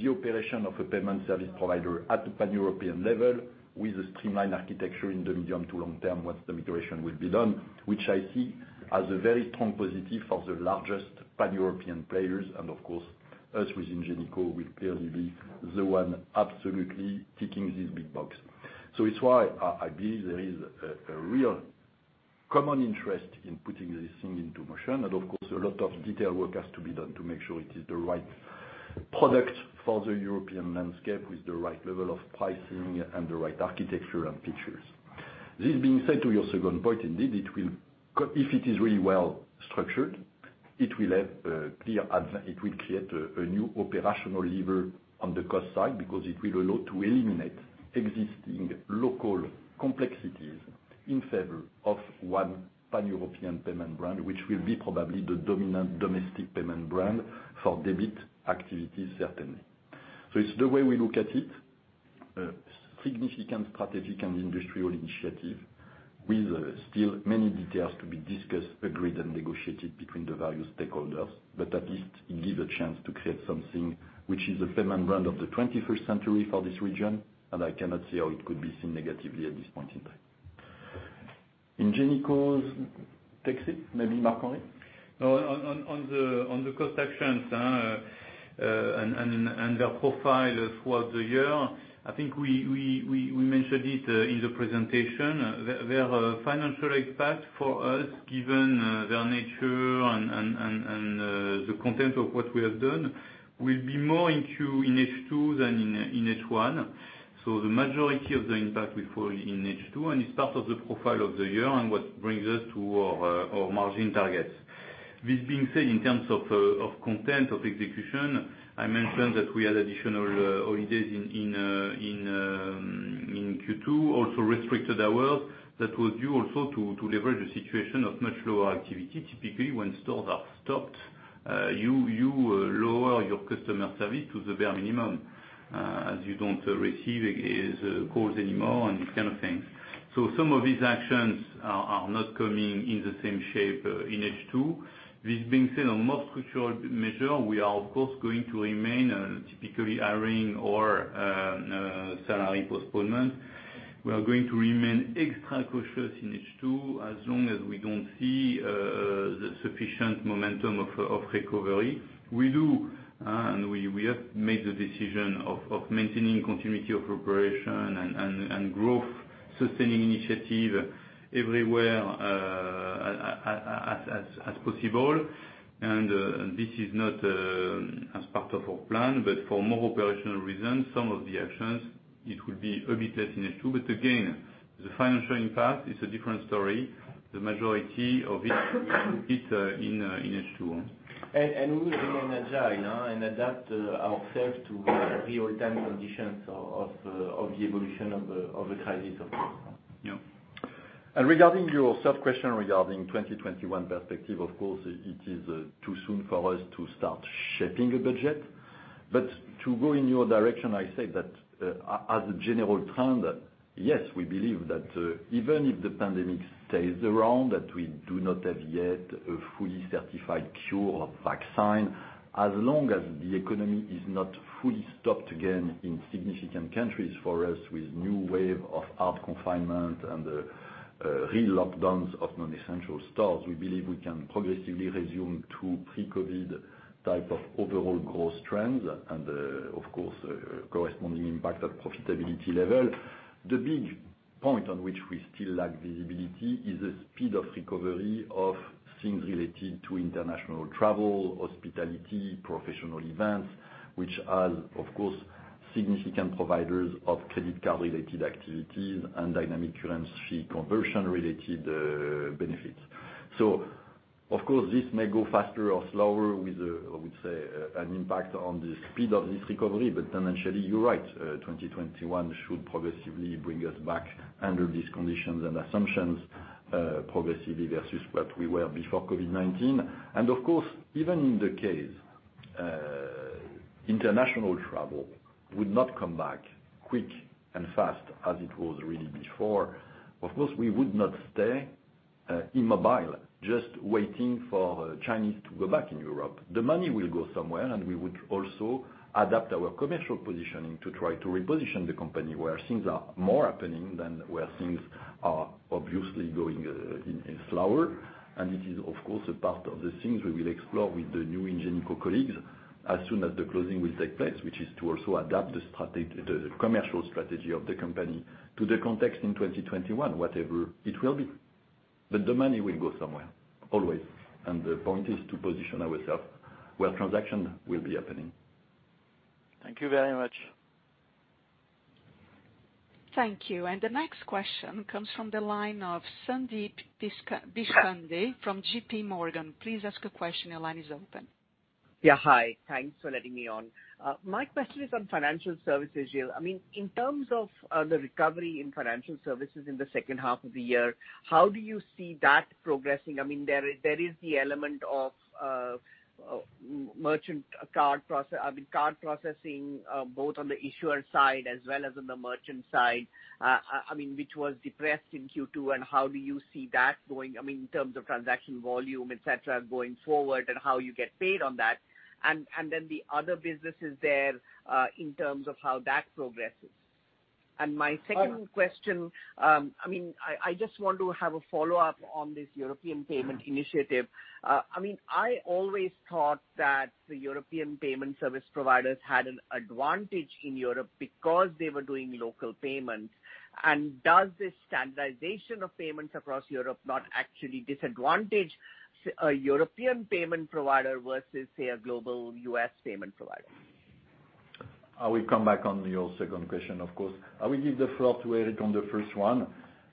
the operation of a payment service provider at the Pan-European level with a streamlined architecture in the medium to long term, once the migration will be done, which I see as a very strong positive for the largest Pan-European players, and of course, us with Ingenico will clearly be the one absolutely ticking this big box. So it's why I, I believe there is a, a real common interest in putting this thing into motion. And, of course, a lot of detail work has to be done to make sure it is the right product for the European landscape, with the right level of pricing and the right architecture and features. This being said, to your second point, indeed, it will if it is really well structured, it will have clear it will create a new operational lever on the cost side, because it will allow to eliminate existing local complexities in favor of one Pan-European payment brand, which will be probably the dominant domestic payment brand for debit activities, certainly. So it's the way we look at it, significant strategic and industrial initiative, with still many details to be discussed, agreed, and negotiated between the various stakeholders. But at least it gives a chance to create something which is a payment brand of the twenty-first century for this region, and I cannot see how it could be seen negatively at this point in time. Ingenico's take it, maybe Marc-Henri? No, on the cost actions, and their profile throughout the year, I think we mentioned it in the presentation. Their financial impact for us, given their nature and the content of what we have done, will be more in H2 than in H1. So the majority of the impact will fall in H2, and it's part of the profile of the year and what brings us to our margin targets. This being said, in terms of content of execution, I mentioned that we had additional holidays in Q2, also restricted hours. That was due also to leverage a situation of much lower activity. Typically, when stores are stopped, you lower your customer service to the bare minimum, as you don't receive calls anymore and this kind of thing. So some of these actions are not coming in the same shape in H2. This being said, on more structural measure, we are of course going to remain typically hiring or salary postponement. We are going to remain extra cautious in H2 as long as we don't see the sufficient momentum of recovery. We do and we have made the decision of maintaining continuity of operation and growth-sustaining initiative everywhere, as possible. And this is not as part of our plan, but for more operational reasons, some of the actions, it will be a bit less in H2. But again, the financial impact is a different story. The majority of it hit in H2. We remain agile and adapt ourselves to real-time conditions of the evolution of the crisis, of course. Yeah. Regarding your sub-question regarding 2021 perspective, of course, it is too soon for us to start shaping a budget. But to go in your direction, I say that as a general trend, yes, we believe that even if the pandemic stays around, that we do not have yet a fully certified cure or vaccine, as long as the economy is not fully stopped again in significant countries for us, with new wave of hard confinement and re-lockdowns of non-essential stores, we believe we can progressively resume to pre-COVID type of overall growth trends and, of course, corresponding impact at profitability level. The big point on which we still lack visibility is the speed of recovery of things related to international travel, hospitality, professional events, which are, of course, significant providers of credit card-related activities and dynamic currency conversion-related benefits. So of course, this may go faster or slower with, I would say, an impact on the speed of this recovery. But financially, you're right, 2021 should progressively bring us back under these conditions and assumptions, progressively versus what we were before COVID-19. And of course, even in the case, international travel would not come back quick and fast as it was really before, of course, we would not stay, immobile, just waiting for Chinese to go back in Europe. The money will go somewhere, and we would also adapt our commercial positioning to try to reposition the company where things are more happening than where things are obviously going, in slower. It is, of course, a part of the things we will explore with the new Ingenico colleagues, as soon as the closing will take place, which is to also adapt the commercial strategy of the company to the context in 2021, whatever it will be. But the money will go somewhere, always, and the point is to position ourselves where transactions will be happening. Thank you very much. Thank you. The next question comes from the line of Sandeep Deshpande from JPMorgan. Please ask a question. Your line is open. Yeah, hi. Thanks for letting me on. My question is on financial services, Gilles. I mean, in terms of the recovery in financial services in the second half of the year, how do you see that progressing? I mean, there is the element of merchant card process- I mean, card processing, both on the issuer side as well as on the merchant side, I mean, which was depressed in Q2, and how do you see that going? I mean, in terms of transaction volume, et cetera, going forward, and how you get paid on that, and then the other businesses there, in terms of how that progresses? And my second question, I mean, I just want to have a follow-up on this European Payments Initiative. I mean, I always thought that the European payment service providers had an advantage in Europe because they were doing local payments. Does this standardization of payments across Europe not actually disadvantage a European payment provider versus, say, a global U.S. payment provider? I will come back on your second question, of course. I will give the floor to Eric on the first one,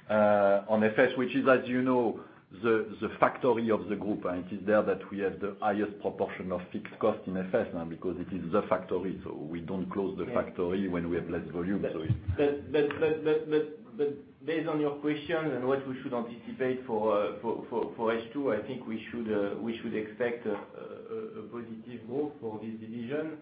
on FS, which is, as you know, the factory of the group, and it is there that we have the highest proportion of fixed costs in FS now because it is the factory, so we don't close the factory when we have less volume. So it- But based on your question and what we should anticipate for H2, I think we should expect a positive growth for this division.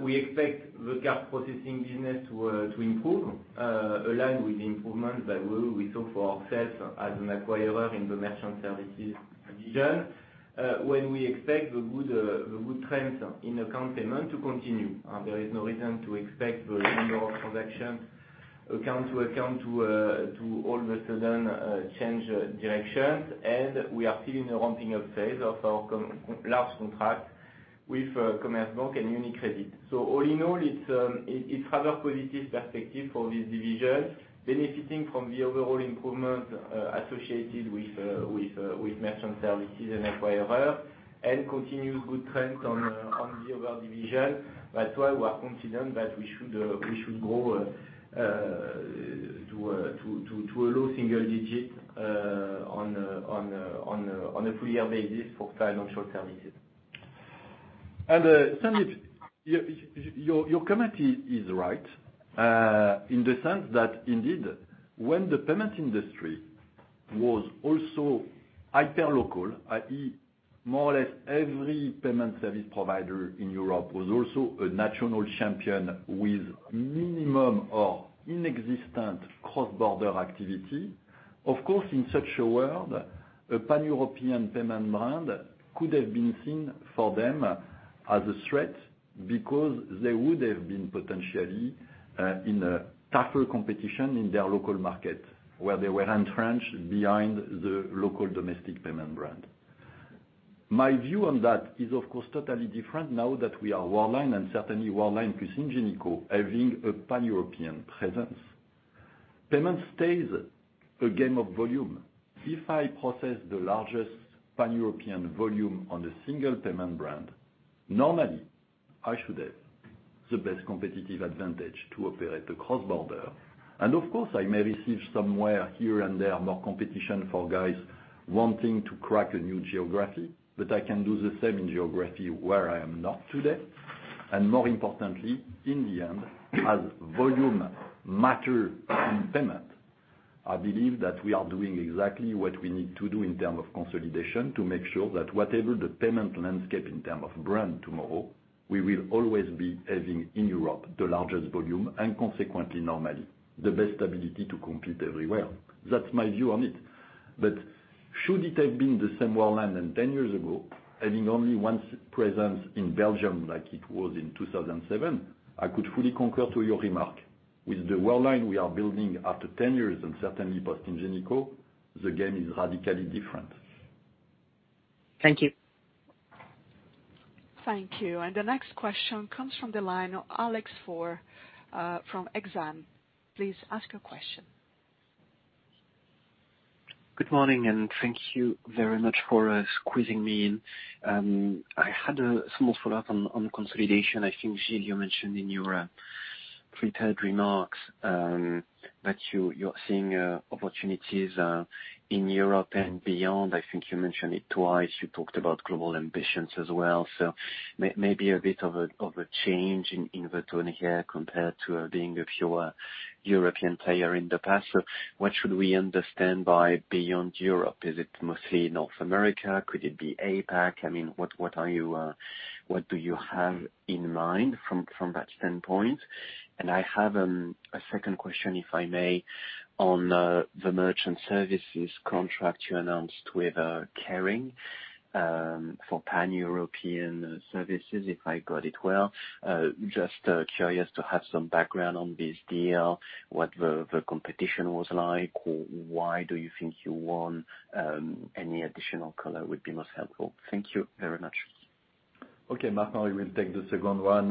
We expect the card processing business to improve aligned with the improvement that we saw for ourselves as an acquirer in the merchant services division. When we expect the good trends in account payment to continue, there is no reason to expect the number of transactions, account to account, to all of a sudden change directions. And we are still in the ramping up phase of our large contract with Commerzbank and UniCredit. So all in all, it's rather positive perspective for this division, benefiting from the overall improvement associated with merchant services and acquirer, and continued good trends on the other division. That's why we are confident that we should grow to a low single digit on a three-year basis for financial services. Sandeep, your comment is right, in the sense that, indeed, when the payment industry was also hyper local, i.e., more or less every payment service provider in Europe was also a national champion with minimum or inexistent cross-border activity. Of course, in such a world, a Pan-European payment brand could have been seen for them as a threat because they would have been potentially in a tougher competition in their local market, where they were entrenched behind the local domestic payment brand. My view on that is, of course, totally different now that we are Worldline, and certainly Worldline with Ingenico, having a Pan-European presence. Payment stays a game of volume. If I process the largest Pan-European volume on a single payment brand, normally, I should have the best competitive advantage to operate the cross-border. Of course, I may receive somewhere, here and there, more competition for guys wanting to crack a new geography, but I can do the same in geography where I am not today. More importantly, in the end, as volume matter in payment, I believe that we are doing exactly what we need to do in term of consolidation, to make sure that whatever the payment landscape in term of brand tomorrow, we will always be having, in Europe, the largest volume, and consequently, normally, the best ability to compete everywhere. That's my view on it. But should it have been the same Worldline than 10 years ago, having only one presence in Belgium like it was in 2007, I could fully concur to your remark. With the Worldline we are building after 10 years, and certainly post-Ingenico, the game is radically different. Thank you. Thank you. And the next question comes from the line of Alexandre Faure from Exane. Please ask your question. Good morning, and thank you very much for squeezing me in. I had a small follow-up on consolidation. I think, Gilles, you mentioned in your prepared remarks, that you, you're seeing opportunities in Europe and beyond. I think you mentioned it twice. You talked about global ambitions as well, so maybe a bit of a change in the tone here compared to being a pure European player in the past. So what should we understand by beyond Europe? Is it mostly North America? Could it be APAC? I mean, what are you, what do you have in mind from that standpoint? And I have a second question, if I may, on the Merchant Services contract you announced with Kering for Pan-European services, if I got it well. Just curious to have some background on this deal, what the competition was like, or why do you think you won? Any additional color would be most helpful. Thank you very much. Okay, Alexandre, I will take the second one.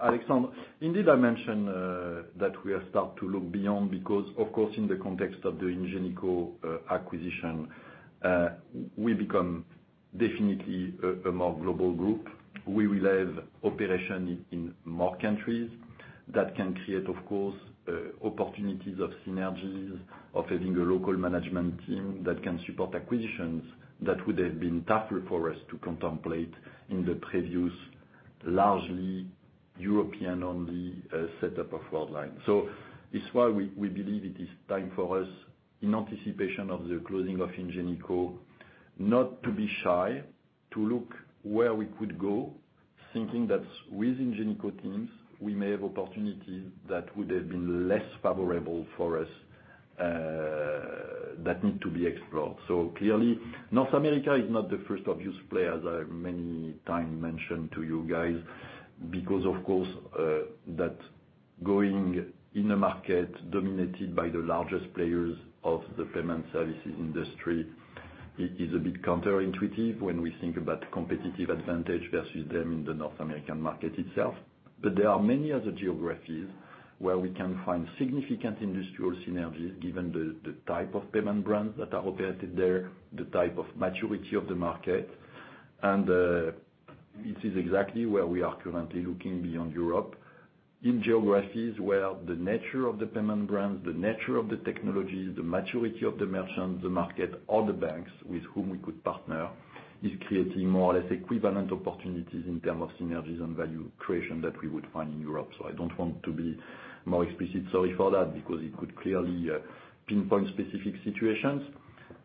Alexandre, indeed, I mentioned that we are starting to look beyond because, of course, in the context of the Ingenico acquisition, we become definitely a more global group. We will have operations in more countries. That can create, of course, opportunities of synergies, of having a local management team that can support acquisitions that would have been tougher for us to contemplate in the previous, largely European-only setup of Worldline. So it's why we believe it is time for us, in anticipation of the closing of Ingenico, not to be shy, to look where we could go, thinking that with Ingenico teams, we may have opportunities that would have been less favorable for us that need to be explored. So clearly, North America is not the first obvious play, as I many time mentioned to you guys, because of course, that going in a market dominated by the largest players of the payment services industry, it is a bit counterintuitive when we think about competitive advantage versus them in the North American market itself. But there are many other geographies where we can find significant industrial synergies, given the type of payment brands that are operated there, the type of maturity of the market. And this is exactly where we are currently looking beyond Europe, in geographies where the nature of the payment brands, the nature of the technologies, the maturity of the merchants, the market, or the banks with whom we could partner, is creating more or less equivalent opportunities in term of synergies and value creation that we would find in Europe. So I don't want to be more explicit, sorry for that, because it could clearly pinpoint specific situations.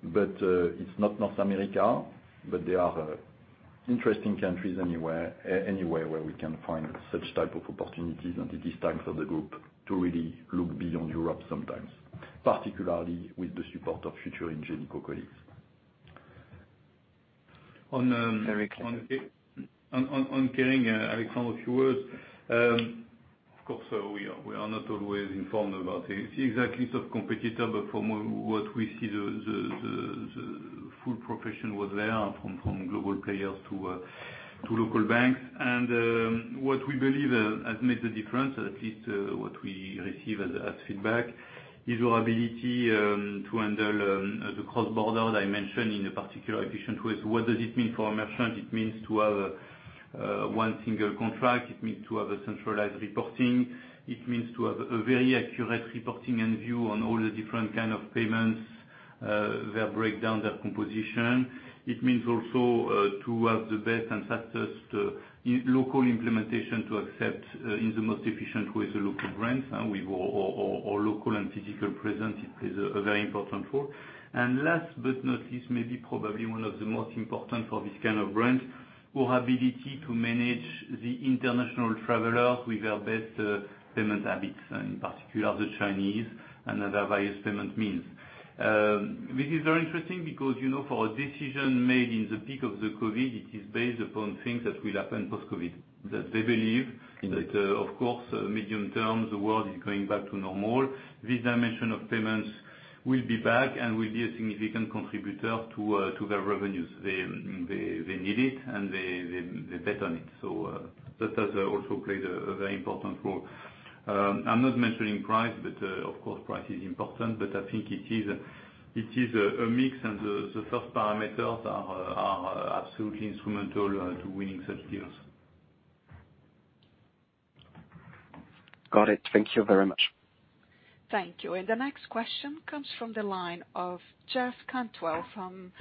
But, it's not North America, but there are interesting countries anywhere, anywhere, where we can find such type of opportunities, and it is time for the group to really look beyond Europe sometimes, particularly with the support of future Ingenico colleagues. Answering, Alexandre, a few words. Of course, we are not always informed about the exact sort of competitor, but from what we see, the full profession was there, from global players to local banks. And what we believe has made the difference, at least what we receive as feedback, is our ability to handle the cross-border, as I mentioned, in a particularly efficient way. So what does it mean for a merchant? It means to have one single contract, it means to have a centralized reporting, it means to have a very accurate reporting and view on all the different kind of payments, their breakdown, their composition. It means also to have the best and fastest local implementation to accept in the most efficient way the local brands, and with all, all, all local and physical presence, it plays a very important role. And last but not least, maybe probably one of the most important for this kind of brand, our ability to manage the international travelers with their best payment habits, in particular, the Chinese and other various payment means. This is very interesting because, you know, for a decision made in the peak of the COVID, it is based upon things that will happen post-COVID, that they believe that, of course, medium term, the world is going back to normal. This dimension of payments will be back and will be a significant contributor to their revenues. They need it, and they bet on it. So, that has also played a very important role. I'm not mentioning price, but, of course, price is important, but I think it is a mix, and the first parameters are absolutely instrumental to winning such deals. Got it. Thank you very much. Thank you. And the next question comes from the line of Jeff Cantwell from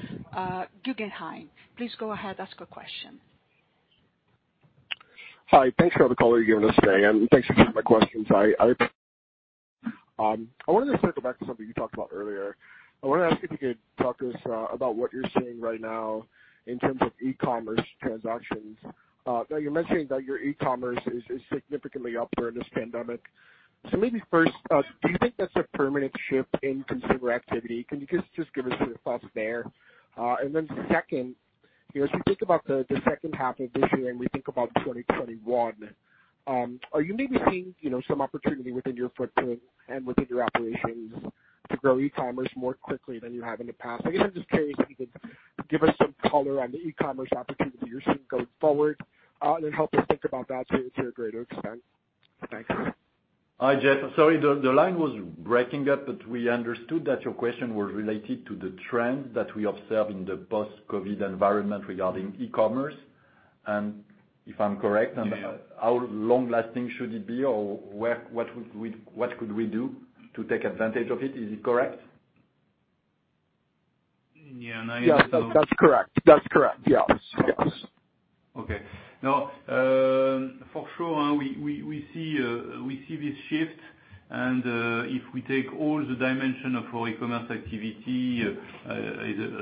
Guggenheim. Please go ahead, ask your question. Hi. Thanks for the call you're giving us today, and thanks for taking my questions. I wanted to circle back to something you talked about earlier. I wanted to ask if you could talk to us about what you're seeing right now in terms of e-commerce transactions. Now you're mentioning that your e-commerce is significantly up during this pandemic. So maybe first, do you think that's a permanent shift in consumer activity? Can you just give us your thoughts there? And then second, you know, as you think about the second half of this year, and we think about 2021, are you maybe seeing, you know, some opportunity within your footprint and within your operations to grow e-commerce more quickly than you have in the past? I guess I'm just curious if you could give us some color on the e-commerce opportunity you're seeing going forward, and help us think about that to a greater extent. Thanks. Hi, Jeff. Sorry, the line was breaking up, but we understood that your question was related to the trend that we observe in the post-COVID environment regarding e-commerce. And if I'm correct? How long lasting should it be, or where, what would we, what could we do to take advantage of it? Is it correct? Yeah, no, yes, that's correct. That's correct. Yes. Yes. Okay. Now, for sure, we see this shift, and if we take all the dimension of our e-commerce activity, it is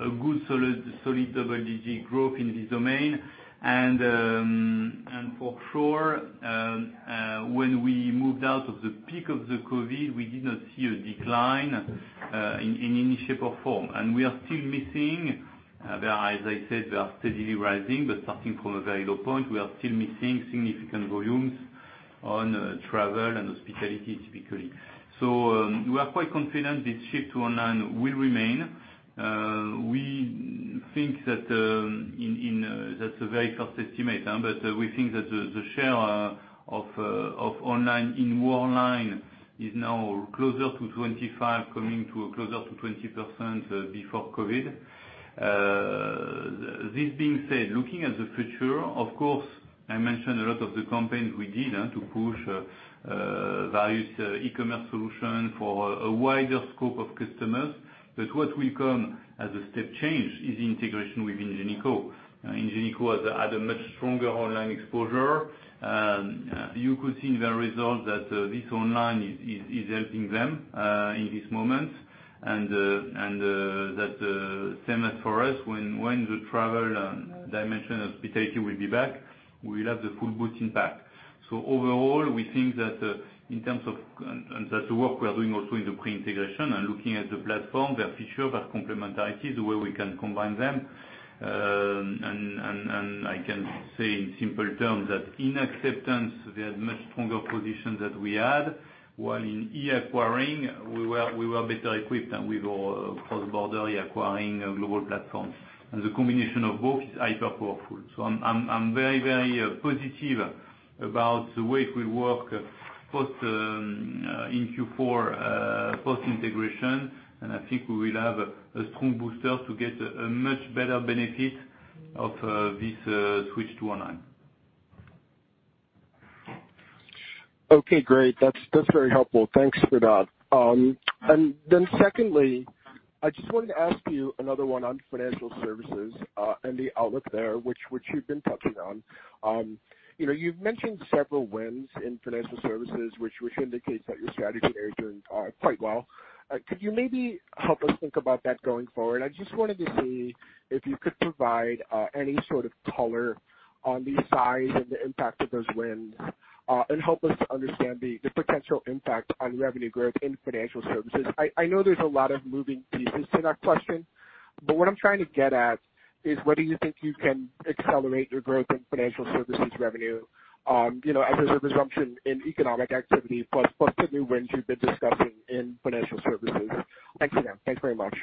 a good, solid double-digit growth in this domain. And for sure, when we moved out of the peak of the COVID, we did not see a decline in any shape or form. We are still missing. As I said, we are steadily rising, but starting from a very low point, we are still missing significant volumes on travel and hospitality, typically. So, we are quite confident this shift to online will remain. We think that that's a very first estimate, but we think that the share of online in Worldline is now closer to 25, coming to closer to 20% before COVID. This being said, looking at the future, of course, I mentioned a lot of the campaigns we did to push various e-commerce solution for a wider scope of customers. But what will come as a step change is the integration with Ingenico. Ingenico has a much stronger online exposure. You could see in the results that this online is helping them in this moment, and that same as for us, when the travel dimension of e-ticketing will be back, we will have the full boost impact. So overall, we think that, in terms of, and that's the work we are doing also in the pre-integration and looking at the platform, their feature, their complementarity, the way we can combine them. And I can say in simple terms, that in acceptance, they had much stronger position than we had, while in e-acquiring, we were better equipped than with our cross-border e-acquiring, global platform. And the combination of both is hyper powerful. So I'm very positive about the way it will work, post in Q4, post-integration, and I think we will have a strong booster to get a much better benefit of this switch to online. Okay, great. That's, that's very helpful. Thanks for that. And then secondly, I just wanted to ask you another one on financial services, and the outlook there, which, which you've been touching on. You know, you've mentioned several wins in financial services, which, which indicates that your strategy is doing quite well. Could you maybe help us think about that going forward? I just wanted to see if you could provide any sort of color on the size and the impact of those wins, and help us to understand the, the potential impact on revenue growth in financial services. I know there's a lot of moving pieces to that question, but what I'm trying to get at is whether you think you can accelerate your growth in financial services revenue, you know, as there's a resumption in economic activity, plus, plus the new wins you've been discussing in financial services. Thanks again. Thanks very much.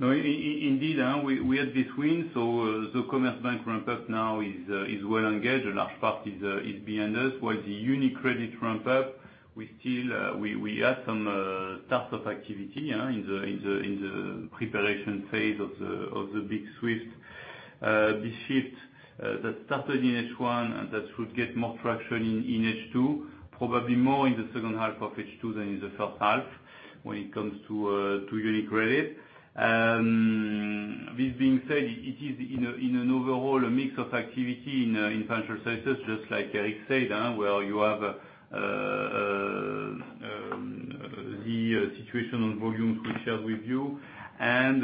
No, indeed, we had this win, so, the Commerzbank ramp-up now is well engaged. A large part is behind us, while the UniCredit ramp-up, we still have some start of activity in the preparation phase of the big switch. The shift that started in H1, and that should get more traction in H2, probably more in the second half of H2 than in the first half, when it comes to UniCredit. This being said, it is in an overall mix of activity in financial services, just like Eric said, where you have the situation on volumes we shared with you. A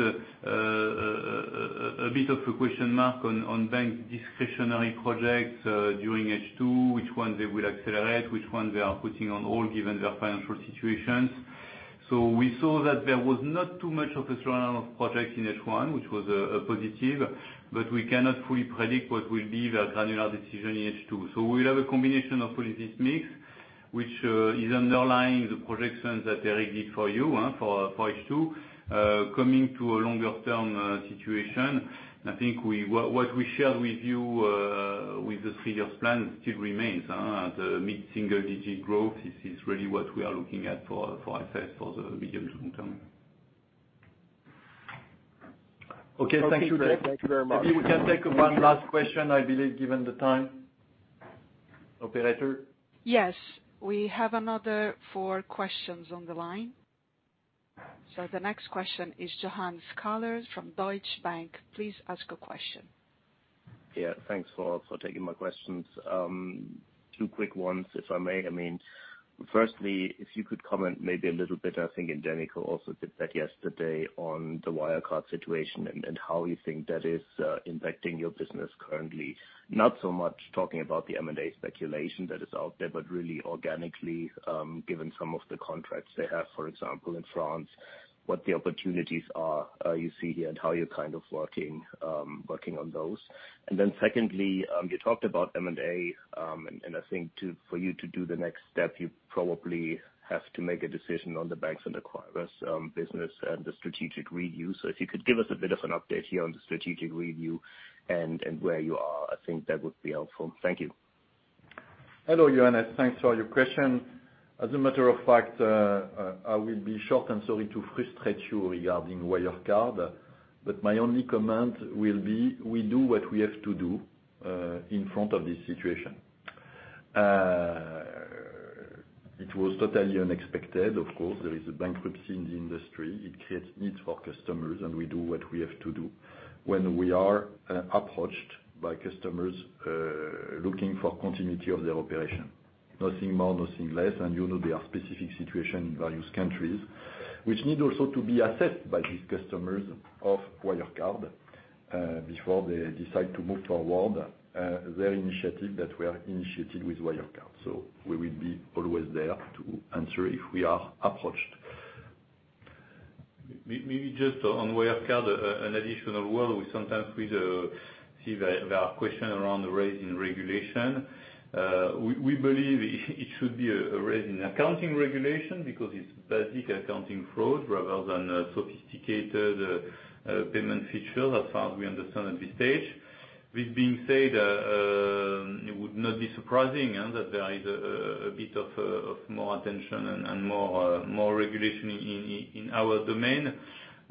bit of a question mark on bank discretionary projects during H2, which one they will accelerate, which one they are putting on hold, given their financial situations. So we saw that there was not too much of a turnaround of projects in H1, which was a positive, but we cannot fully predict what will be their granular decision in H2. So we'll have a combination of policies mix, which is underlying the projections that Eric did for you for H2. Coming to a longer-term situation, I think what we shared with you with the three years plan still remains the mid-single digit growth. This is really what we are looking at for FS for the medium to long term. Okay. Thank you, Jeff. Thank you very much. Maybe we can take one last question, I believe, given the time. Operator? Yes, we have another four questions on the line. So the next question is Johannes Schaller from Deutsche Bank. Please ask a question. Yeah, thanks for taking my questions. Two quick ones, if I may. I mean, firstly, if you could comment maybe a little bit, I think, and Daniel also did that yesterday, on the Wirecard situation and how you think that is impacting your business currently? Not so much talking about the M&A speculation that is out there, but really organically, given some of the contracts they have, for example, in France, what the opportunities are you see here and how you're kind of working on those. And then secondly, you talked about M&A, and I think to, for you to do the next step, you probably have to make a decision on the banks and acquirers business and the strategic review. If you could give us a bit of an update here on the strategic review and where you are, I think that would be helpful. Thank you. Hello, Johannes, thanks for your question. As a matter of fact, I will be short and sorry to frustrate you regarding Wirecard, but my only comment will be, we do what we have to do in front of this situation. It was totally unexpected, of course, there is a bankruptcy in the industry. It creates needs for customers, and we do what we have to do when we are approached by customers looking for continuity of their operation. Nothing more, nothing less, and you know, there are specific situation in various countries, which need also to be assessed by these customers of Wirecard before they decide to move forward their initiative that were initiated with Wirecard. So we will be always there to answer if we are approached. Maybe just on Wirecard, an additional word. We sometimes see the question around the rise in regulation. We believe it should be a rise in accounting regulation, because it's basic accounting fraud rather than a sophisticated payment feature, as far as we understand at this stage. That being said, it would not be surprising that there is a bit of more attention and more regulation in our domain.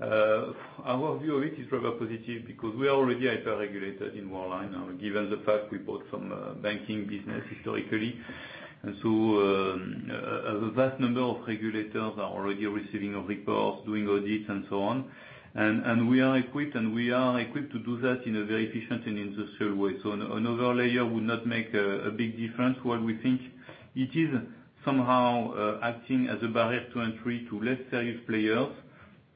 Our view of it is rather positive, because we are already hyper-regulated in Worldline, given the fact we bought some banking business historically. A vast number of regulators are already receiving a report, doing audits, and so on. We are equipped to do that in a very efficient and industrial way. So another layer would not make a big difference. What we think it is somehow acting as a barrier to entry to less serious players,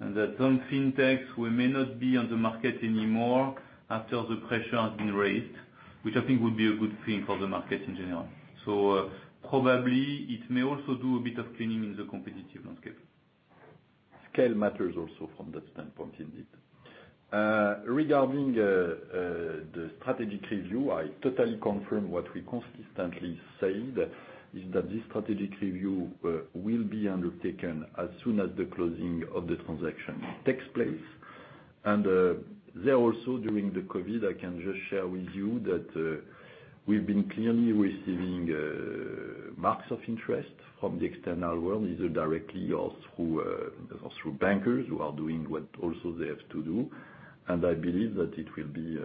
and that some fintechs will may not be on the market anymore after the pressure has been raised, which I think would be a good thing for the market in general. So, probably, it may also do a bit of cleaning in the competitive landscape. Scale matters also from that standpoint, indeed. Regarding the strategic review, I totally confirm what we consistently said, is that this strategic review will be undertaken as soon as the closing of the transaction takes place. There also, during the COVID, I can just share with you that we've been clearly receiving marks of interest from the external world, either directly or through bankers, who are doing what also they have to do. I believe that it will be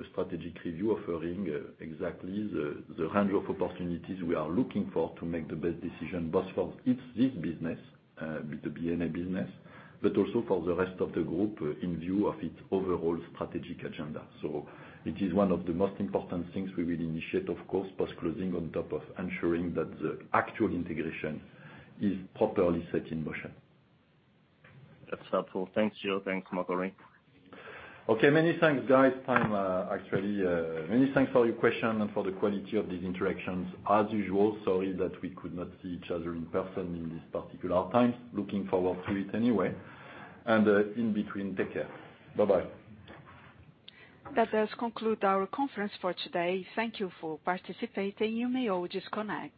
a strategic review offering exactly the range of opportunities we are looking for to make the best decision, both for this business with the B&A business, but also for the rest of the group in view of its overall strategic agenda. So it is one of the most important things we will initiate, of course, post-closing, on top of ensuring that the actual integration is properly set in motion. That's helpful. Thank you. Thanks, Marc-Henri. Okay, many thanks, guys. Many thanks for your question and for the quality of these interactions, as usual. Sorry that we could not see each other in person in this particular time. Looking forward to it anyway. And, in between, take care. Bye-bye. That does conclude our conference for today. Thank you for participating. You may all disconnect.